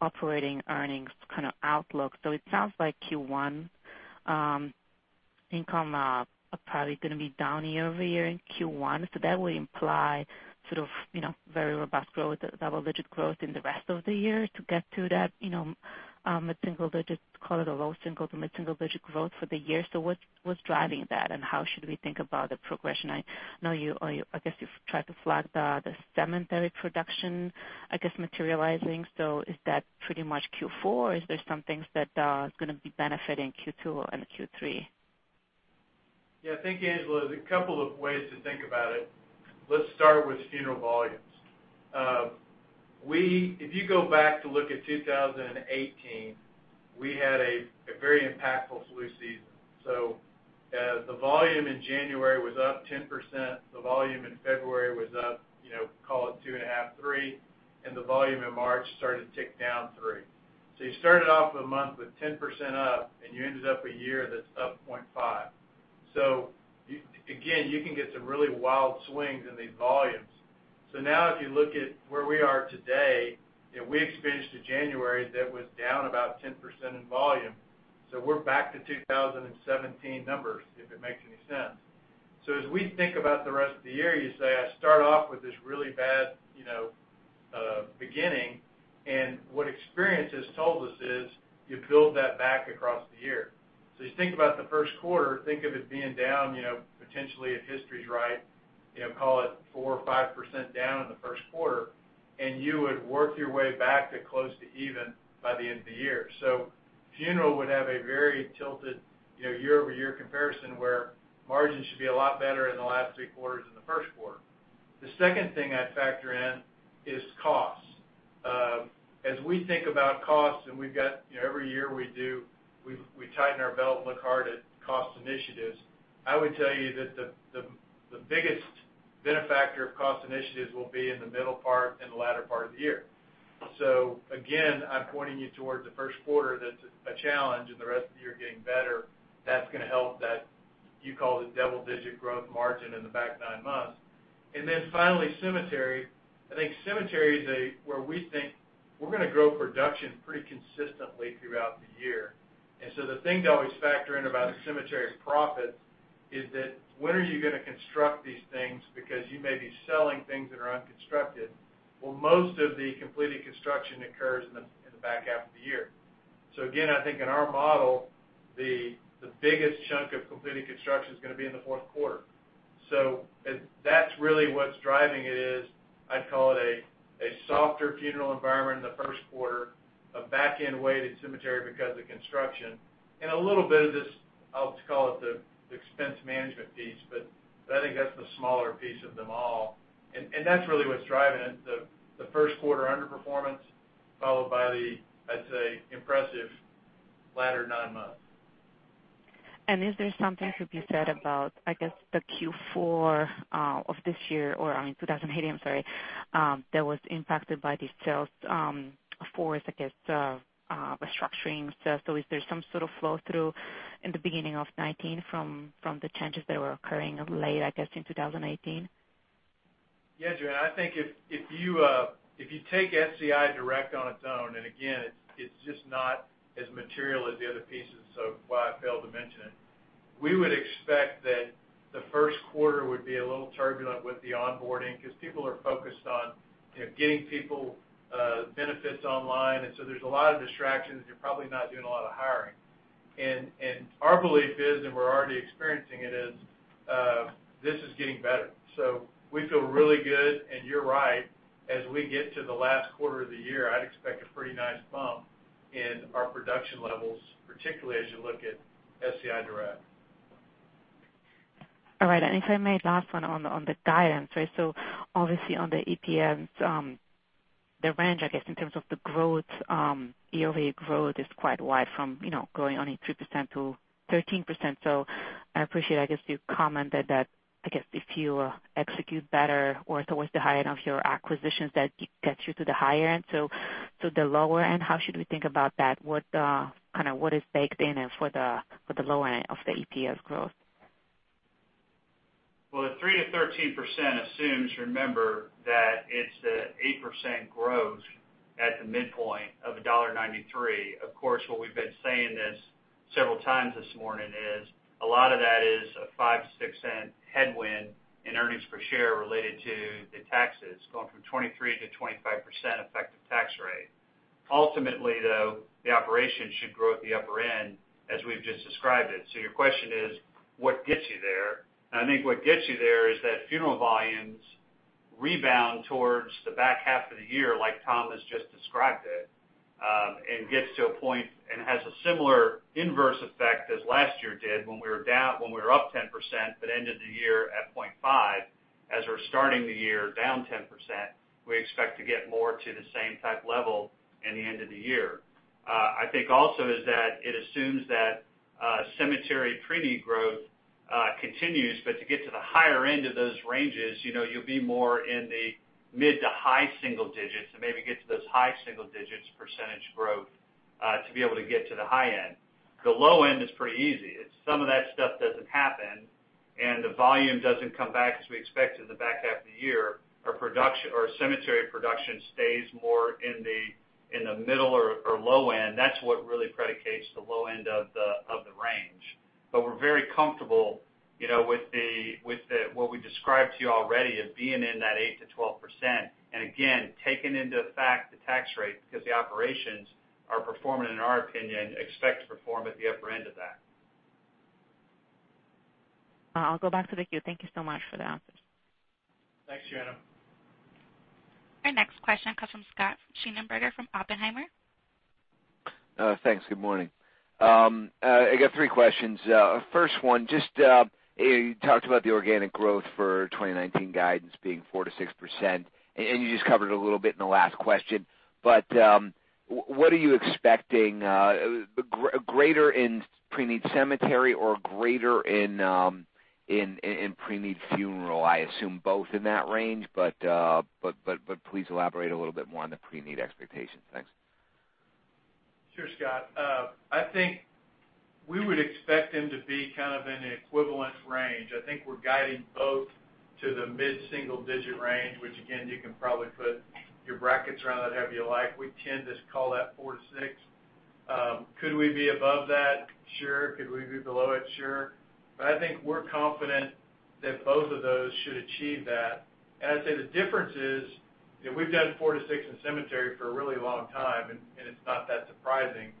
operating earnings kind of outlook, it sounds like Q1 income are probably going to be down year-over-year in Q1. That would imply sort of very robust growth, double-digit growth in the rest of the year to get to that mid-single digit, call it a low single to mid-single digit growth for the year. What's driving that, and how should we think about the progression? I guess you've tried to flag the cemetery production, I guess, materializing. Is that pretty much Q4, or is there some things that are going to be benefiting Q2 and Q3? Yeah. Thank you, Joanna. There's a couple of ways to think about it. Let's start with funeral volumes. If you go back to look at 2018, we had a very impactful flu season. As the volume in January was up 10%, the volume in February was up, call it two and a half, three, and the volume in March started to tick down three. You started off a month with 10% up, and you ended up a year that's up 0.5. Again, you can get some really wild swings in these volumes. Now if you look at where we are today, we experienced a January that was down about 10% in volume. We're back to 2017 numbers, if it makes any sense. As we think about the rest of the year, you say, I start off with this really bad beginning, and what experience has told us is you build that back across the year. As you think about the first quarter, think of it being down, potentially if history's right, call it 4% or 5% down in the first quarter, and you would work your way back to close to even by the end of the year. Funeral would have a very tilted year-over-year comparison, where margins should be a lot better in the last three quarters than the first quarter. The second thing I'd factor in is cost. We think about costs, and every year we do, we tighten our belt and look hard at cost initiatives. I would tell you that the biggest benefactor of cost initiatives will be in the middle part and the latter part of the year. Again, I'm pointing you towards the first quarter that's a challenge, and the rest of the year getting better. That's going to help that, you call it double-digit growth margin in the back nine months. Then finally, cemetery. I think cemetery is where we think we're going to grow production pretty consistently throughout the year. The thing to always factor in about a cemetery's profit is that when are you going to construct these things? Because you may be selling things that are unconstructed. Most of the completed construction occurs in the back half of the year. Again, I think in our model, the biggest chunk of completed construction is going to be in the fourth quarter. That's really what's driving it is, I'd call it a softer funeral environment in the first quarter, a back end weighted cemetery because of construction, and a little bit of this, I'll call it the expense management piece. I think that's the smaller piece of them all. That's really what's driving it, the first quarter underperformance, followed by the, I'd say, impressive latter 9 months. Is there something to be said about, I guess, the Q4 of this year, or in 2018, I'm sorry, that was impacted by these sales-force, I guess, restructuring stuff. Is there some sort of flow-through in the beginning of 2019 from the changes that were occurring late, I guess, in 2018? Yeah, Joanna, I think if you take SCI Direct on its own, again, it's just not as material as the other pieces, why I failed to mention it, we would expect that the first quarter would be a little turbulent with the onboarding because people are focused on getting people benefits online, there's a lot of distractions. You're probably not doing a lot of hiring. Our belief is, and we're already experiencing it, is this is getting better. We feel really good, and you're right, as we get to the last quarter of the year, I'd expect a pretty nice bump in our production levels, particularly as you look at SCI Direct. All right. If I may, last one on the guidance. Obviously on the EPS, the range, I guess, in terms of the growth, yearly growth is quite wide from growing only 3% to 13%. I appreciate, I guess, you commented that, I guess, if you execute better or towards the higher end of your acquisitions, that it gets you to the higher end. The lower end, how should we think about that? What is baked in for the low end of the EPS growth? The 3%-13% assumes, remember, that it's the 8% growth at the midpoint of a $1.93. What we've been saying several times this morning is a lot of that is a $0.05-$0.06 headwind in earnings per share related to the taxes, going from 23%-25% effective tax rate. Ultimately, the operation should grow at the upper end as we've just described it. Your question is what gets you there? I think what gets you there is that funeral volumes rebound towards the back half of the year like Tom has just described it, and gets to a point and has a similar inverse effect as last year did when we were up 10%, but ended the year at 0.5%. Starting the year down 10%, we expect to get more to the same type level in the end of the year. It also assumes that cemetery preneed growth continues, but to get to the higher end of those ranges, you'll be more in the mid-to-high single digits and maybe get to those high single-digits % growth, to be able to get to the high end. The low end is pretty easy. If some of that stuff doesn't happen and the volume doesn't come back as we expect in the back half of the year, our cemetery production stays more in the middle or low end. That's what really predicates the low end of the range. We're very comfortable with what we described to you already of being in that 8%-12%, and again, taking into effect the tax rate because the operations are performing, in our opinion, expect to perform at the upper end of that. I'll go back to the queue. Thank you so much for the answers. Thanks, Joanna. Our next question comes from Scott Schneeberger from Oppenheimer. Thanks. Good morning. I got three questions. First one, you talked about the organic growth for 2019 guidance being 4%-6%, you just covered a little bit in the last question, but what are you expecting, greater in preneed cemetery or greater in preneed funeral? I assume both in that range, but please elaborate a little bit more on the preneed expectations. Thanks. Sure, Scott. I think we would expect them to be kind of in an equivalent range. I think we're guiding both to the mid-single digit range, which again, you can probably put your brackets around that however you like. We tend to just call that 4-6. Could we be above that? Sure. Could we be below it? Sure. I think we're confident that both of those should achieve that. I'd say the difference is, we've done 4-6 in cemetery for a really long time, and it's not that surprising.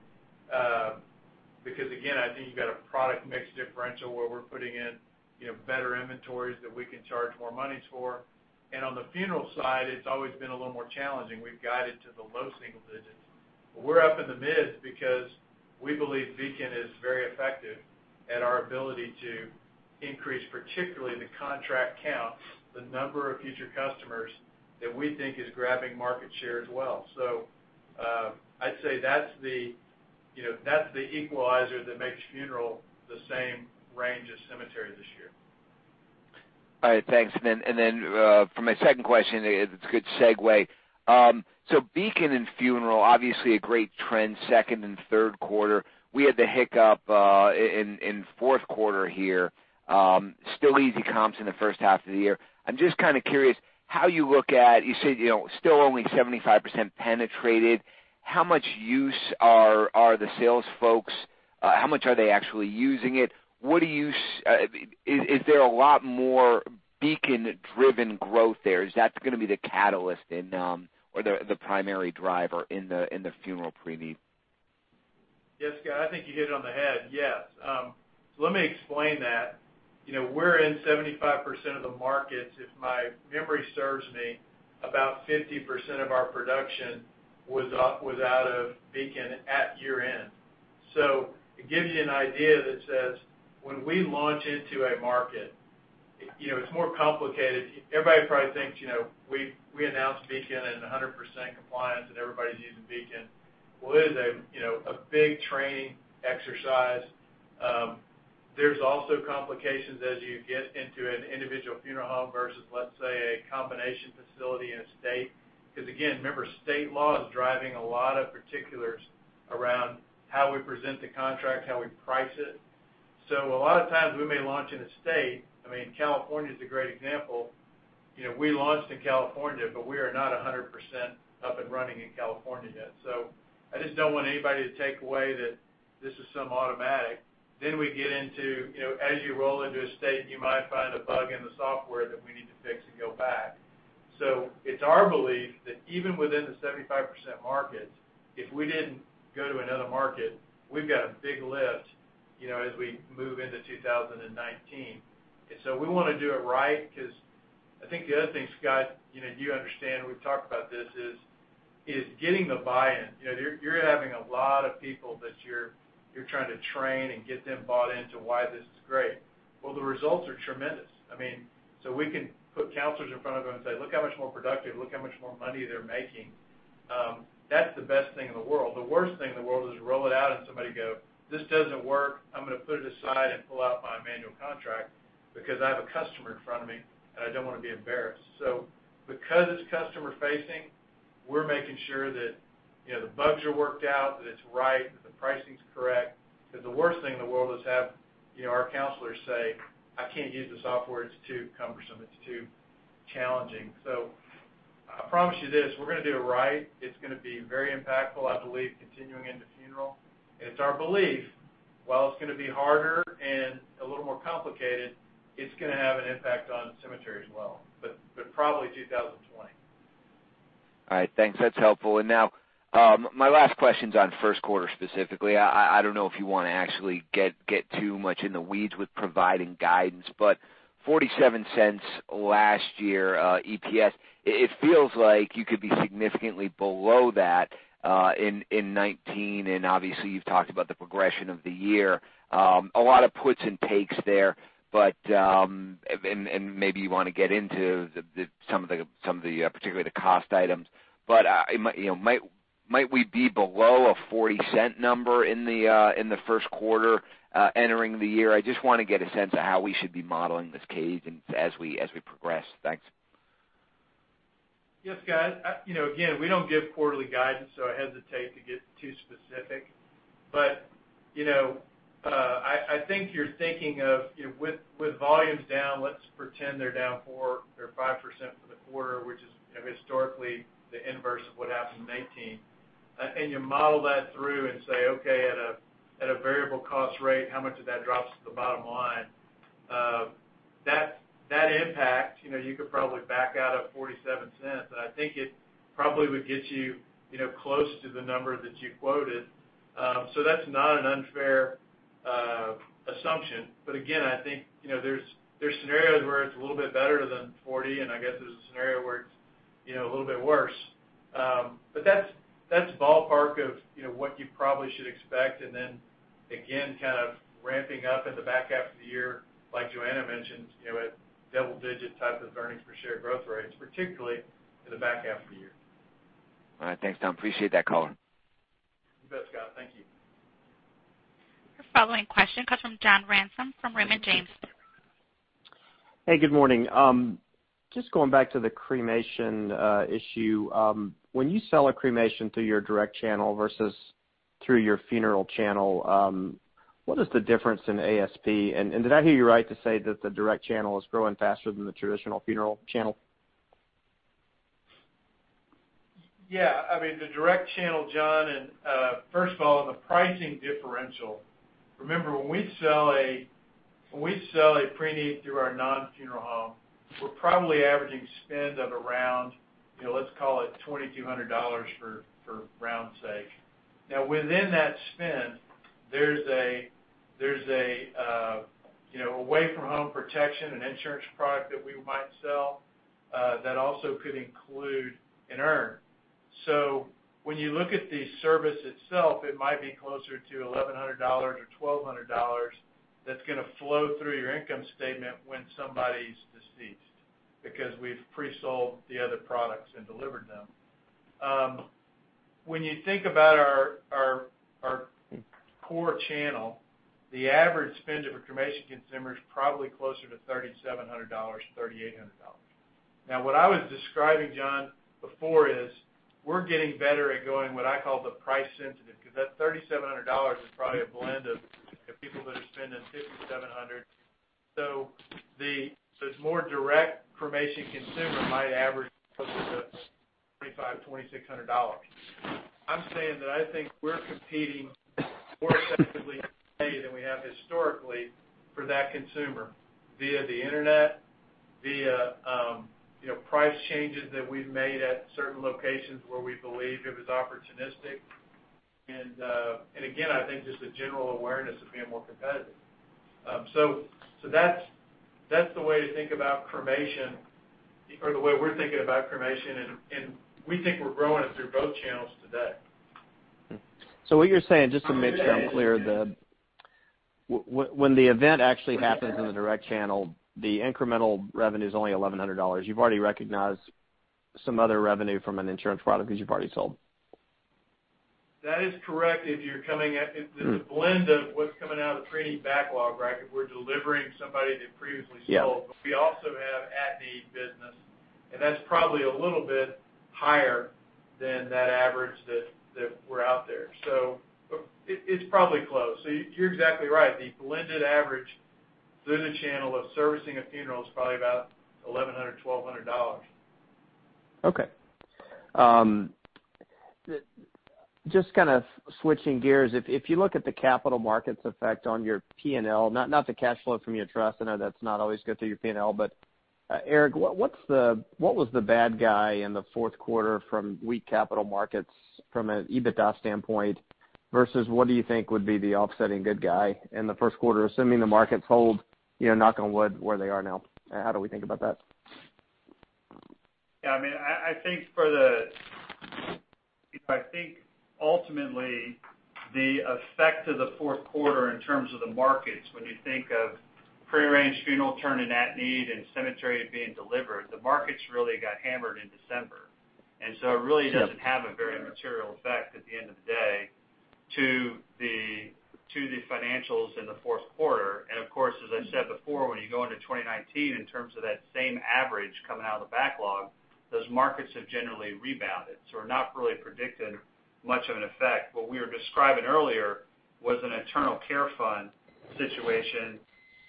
Again, I think you've got a product mix differential where we're putting in better inventories that we can charge more monies for. On the funeral side, it's always been a little more challenging. We've guided to the low single digits. We're up in the mids because we believe Beacon is very effective at our ability to increase, particularly the contract count, the number of future customers that we think is grabbing market share as well. I'd say that's the equalizer that makes funeral the same range as cemetery this year. All right. Thanks. For my second question, it's a good segue. Beacon and funeral, obviously a great trend, second and third quarter. We had the hiccup in fourth quarter here. Still easy comps in the first half of the year. I'm just kind of curious how you look at, you said, still only 75% penetrated. How much use are the sales folks? How much are they actually using it? Is there a lot more Beacon-driven growth there? Is that going to be the catalyst in, or the primary driver in the funeral pre-need? Yes, Scott, I think you hit it on the head. Yes. Let me explain that. We're in 75% of the markets. If my memory serves me, about 50% of our production was out of Beacon at year-end. It gives you an idea that says, when we launch into a market, it's more complicated. Everybody probably thinks we announced Beacon and 100% compliance and everybody's using Beacon. It is a big training exercise. There's also complications as you get into an individual funeral home versus, let's say, a combination facility in a state. Because again, remember, state law is driving a lot of particulars around how we present the contract, how we price it. A lot of times we may launch in a state, California is a great example. We launched in California, but we are not 100% up and running in California yet. I just don't want anybody to take away that this is some automatic. We get into, as you roll into a state, you might find a bug in the software that we need to fix and go back. It's our belief that even within the 75% market, if we didn't go to another market, we've got a big lift, as we move into 2019. We want to do it right, because I think the other thing, Scott, you understand, we've talked about this, is getting the buy-in. You're having a lot of people that you're trying to train and get them bought into why this is great. The results are tremendous. We can put counselors in front of them and say, "Look how much more productive, look how much more money they're making." That's the best thing in the world. The worst thing in the world is roll it out and somebody go, "This doesn't work. I'm going to put it aside and pull out my manual contract because I have a customer in front of me, and I don't want to be embarrassed." Because it's customer facing, we're making sure that the bugs are worked out, that it's right, that the pricing's correct. Because the worst thing in the world is have our counselors say, "I can't use the software. It's too cumbersome, it's too challenging." I promise you this, we're going to do it right. It's going to be very impactful, I believe, continuing into funeral. It's our belief, while it's going to be harder and a little more complicated, it's going to have an impact on cemetery as well, but probably 2020. All right, thanks. That's helpful. My last question's on first quarter specifically. I don't know if you want to actually get too much in the weeds with providing guidance, but $0.47 last year, EPS, it feels like you could be significantly below that, in 2019. You've talked about the progression of the year. A lot of puts and takes there, and maybe you want to get into some of the, particularly the cost items. Might we be below a $0.40 number in the first quarter, entering the year? I just want to get a sense of how we should be modeling this cadence as we progress. Thanks. Yes, Scott. We don't give quarterly guidance, I hesitate to get too specific. I think you're thinking of with volumes down, let's pretend they're down 4% or 5% for the quarter, which is historically the inverse of what happened in 2019. You model that through and say, okay, at a variable cost rate, how much of that drops to the bottom line? That impact, you could probably back out of $0.47. I think it probably would get you close to the number that you quoted. That's not an unfair assumption. Again, I think, there's scenarios where it's a little bit better than $0.40, and I guess there's a scenario where it's a little bit worse. That's ballpark of what you probably should expect. kind of ramping up in the back half of the year, like Joanna mentioned, at double-digit type of earnings per share growth rates, particularly in the back half of the year. All right. Thanks, Tom. Appreciate that call. You bet, Scott. Thank you. Your following question comes from John Ransom from Raymond James. Hey, good morning. Just going back to the cremation issue. When you sell a cremation through your direct channel versus through your funeral channel, what is the difference in ASP? Did I hear you right to say that the direct channel is growing faster than the traditional funeral channel? Yeah. The direct channel, John. First of all, the pricing differential. Remember, when we sell a preneed through our non-funeral home, we're probably averaging spend of around, let's call it $2,200 for round sake. Now within that spend, there's a away-from-home protection, an insurance product that we might sell, that also could include an urn. When you look at the service itself, it might be closer to $1,100 or $1,200 that's going to flow through your income statement when somebody's deceased, because we've pre-sold the other products and delivered them. When you think about our core channel, the average spend of a cremation consumer is probably closer to $3,700, $3,800. What I was describing, John, before is we're getting better at going what I call the price sensitive. Because that $3,700 is probably a blend of people that are spending $5,700. It's more direct cremation consumer might average closer to $2,500, $2,600. I'm saying that I think we're competing more effectively today than we have historically for that consumer via the internet, via price changes that we've made at certain locations where we believe it was opportunistic. Again, I think just the general awareness of being more competitive. That's the way to think about cremation or the way we're thinking about cremation, and we think we're growing it through both channels today. What you're saying, just to make sure I'm clear, when the event actually happens in the direct channel, the incremental revenue is only $1,100. You've already recognized some other revenue from an insurance product because you've already sold. That is correct. It's a blend of what's coming out of the preneed backlog. If we're delivering somebody that previously sold. Yeah. We also have at-need business, and that's probably a little bit higher than that average that were out there. It's probably close. You're exactly right. The blended average through the channel of servicing a funeral is probably about $1,100, $1,200. Okay. Just kind of switching gears. If you look at the capital markets effect on your P&L, not the cash flow from your trust. I know that's not always good for your P&L, Eric, what was the bad guy in the fourth quarter from weak capital markets from an EBITDA standpoint, versus what do you think would be the offsetting good guy in the first quarter, assuming the markets hold, knock on wood, where they are now? How do we think about that? I think ultimately, the effect of the fourth quarter in terms of the markets, when you think of pre-arranged funeral turning at-need and cemetery being delivered, the markets really got hammered in December. Sure. It really doesn't have a very material effect at the end of the day to the financials in the fourth quarter. Of course, as I said before, when you go into 2019 in terms of that same average coming out of the backlog, those markets have generally rebounded. We're not really predicting much of an effect. What we were describing earlier was a perpetual care fund situation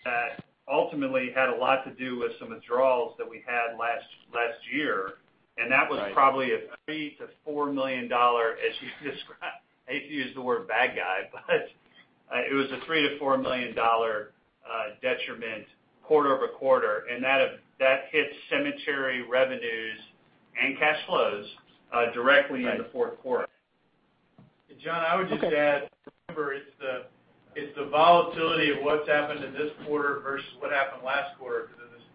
that ultimately had a lot to do with some withdrawals that we had last year, and that was probably a $3 million-$4 million, as you described. I hate to use the word bad guy, but it was a $3 million-$4 million detriment quarter-over-quarter, and that hits cemetery revenues and cash flows directly in the fourth quarter. John, I would just add, remember, it's the volatility of what's happened in this quarter versus what happened last quarter because of this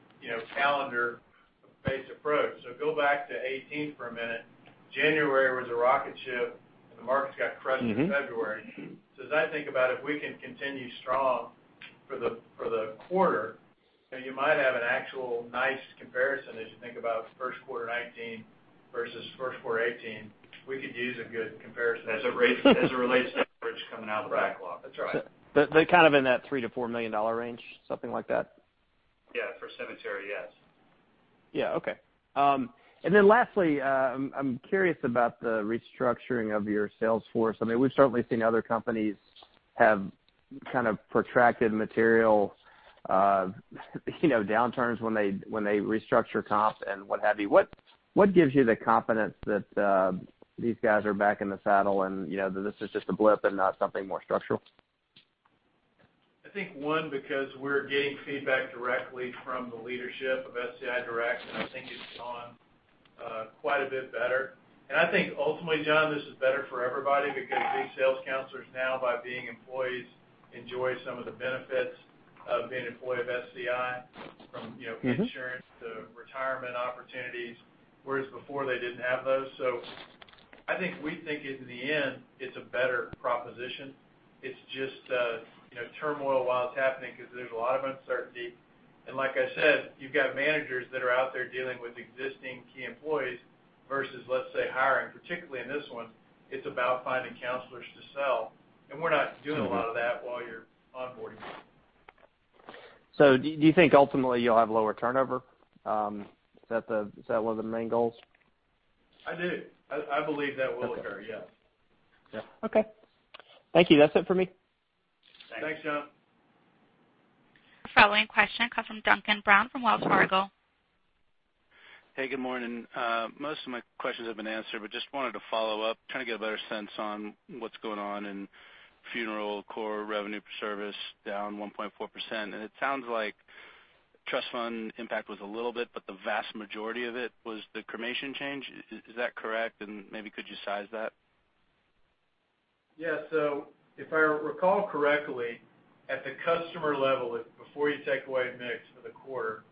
calendar-based approach. Go back to 2018 for a minute. January was a rocket ship, and the markets got crushed in February. As I think about if we can continue strong for the quarter, you might have an actual nice comparison as you think about first quarter 2019 versus first quarter 2018. We could use a good comparison as it relates to the bridge coming out of the backlog. That's right. kind of in that $3 million to $4 million range, something like that? Yeah. For cemetery, yes. Yeah. Okay. Then lastly, I'm curious about the restructuring of your sales force. We've certainly seen other companies have kind of protracted material downturns when they restructure comp and what have you. What gives you the confidence that these guys are back in the saddle, and that this is just a blip and not something more structural? I think, one, because we're getting feedback directly from the leadership of SCI Direct, I think it's gone quite a bit better. I think ultimately, John, this is better for everybody because these sales counselors now, by being employees, enjoy some of the benefits of being an employee of SCI from insurance to retirement opportunities, whereas before they didn't have those. I think we think in the end it's a better proposition. It's just turmoil while it's happening because there's a lot of uncertainty. Like I said, you've got managers that are out there dealing with existing key employees versus, let's say, hiring. Particularly in this one, it's about finding counselors to sell, and we're not doing a lot of that while you're onboarding. Do you think ultimately you'll have lower turnover? Is that one of the main goals? I do. I believe that will occur, yes. Okay. Thank you. That's it for me. Thanks, John. The following question comes from Duncan Brown from Wells Fargo. Hey, good morning. Just wanted to follow up, trying to get a better sense on what's going on in funeral core revenue per service down 1.4%. It sounds like trust fund impact was a little bit, but the vast majority of it was the cremation change. Is that correct? Maybe could you size that? Yeah. If I recall correctly, at the customer level, before you take away mix for the quarter,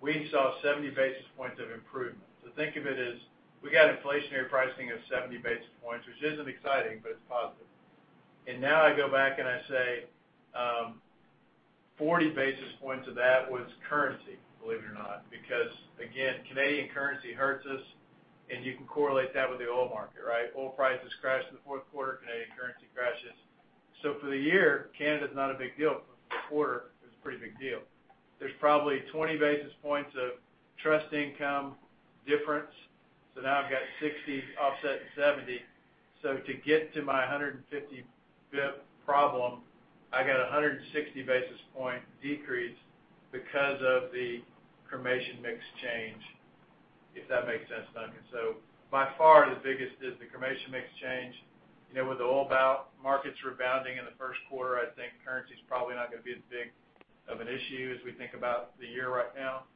we saw 70 basis points of improvement. Think of it as we got inflationary pricing of 70 basis points, which isn't exciting, but it's positive. Now I go back and I say 40 basis points of that was currency, believe it or not, because again, Canadian currency hurts us, and you can correlate that with the oil market. Oil prices crashed in the fourth quarter, Canadian currency crashes. For the year, Canada's not a big deal, but for the quarter, it was a pretty big deal. There's probably 20 basis points of trust income difference. Now I've got 60 offsetting 70. To get to my 150 basis point problem, I got 160 basis point decrease because of the cremation mix change, if that makes sense, Duncan. By far the biggest is the cremation mix change. With the oil markets rebounding in the first quarter, I think currency's probably not going to be as big of an issue as we think about the year right now.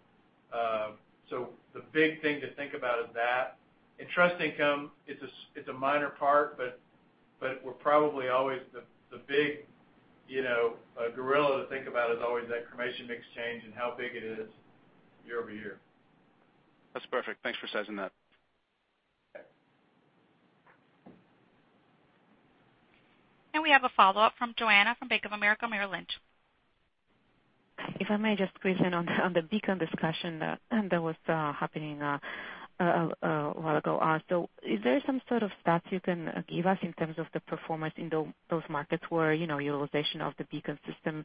The big thing to think about is that. In trust income, it's a minor part, but we're probably always the big gorilla to think about is always that cremation mix change and how big it is year-over-year. That's perfect. Thanks for sizing that. Okay. We have a follow-up from Joanna from Bank of America Merrill Lynch. If I may just quiz in on the Beacon discussion that was happening a while ago. Is there some sort of stats you can give us in terms of the performance in those markets where utilization of the Beacon system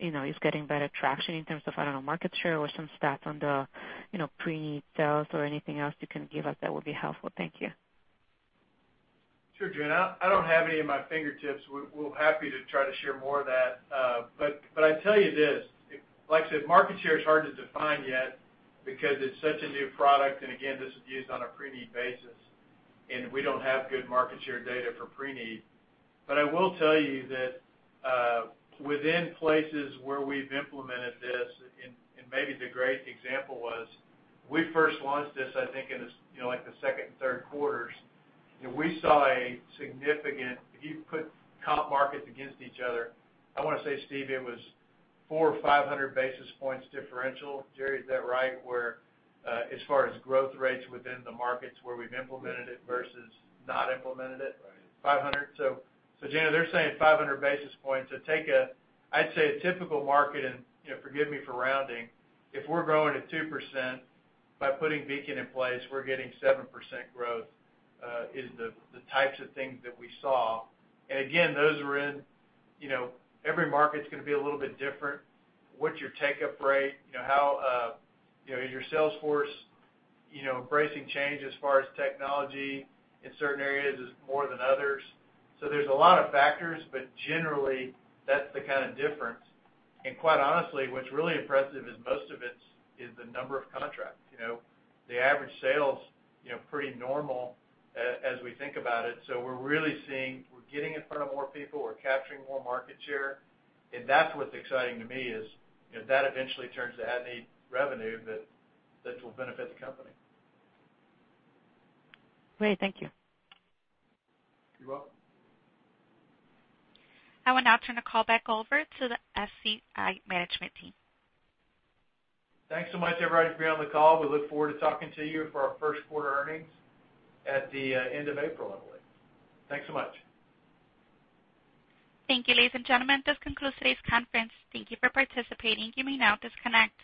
is getting better traction in terms of, I don't know, market share or some stats on the pre-need sales or anything else you can give us that would be helpful? Thank you. Sure, Joanna. I don't have any at my fingertips. We're happy to try to share more of that. I tell you this, like I said, market share is hard to define yet because it's such a new product and again, this is used on a pre-need basis, and we don't have good market share data for pre-need. I will tell you that within places where we've implemented this, and maybe the great example was we first launched this, I think in the second and third quarters, and we saw a If you put comp markets against each other, I want to say, Steve, it was 400 or 500 basis points differential. Jerry, is that right? Where as far as growth rates within the markets where we've implemented it versus not implemented it. Right. 500. Joanna, they're saying 500 basis points. I'd say a typical market, and forgive me for rounding, if we're growing at 2%, by putting Beacon in place, we're getting 7% growth, is the types of things that we saw. Again, every market's going to be a little bit different. What's your take-up rate? Is your sales force embracing change as far as technology in certain areas is more than others? There's a lot of factors, but generally, that's the kind of difference. Quite honestly, what's really impressive is most of it is the number of contracts. The average sale's pretty normal as we think about it. We're really seeing we're getting in front of more people, we're capturing more market share, and that's what's exciting to me is that eventually turns to at-need revenue that will benefit the company. Great. Thank you. You're welcome. I will now turn the call back over to the SCI management team. Thanks so much, everybody, for being on the call. We look forward to talking to you for our first quarter earnings at the end of April, I believe. Thanks so much. Thank you, ladies and gentlemen. This concludes today's conference. Thank you for participating. You may now disconnect.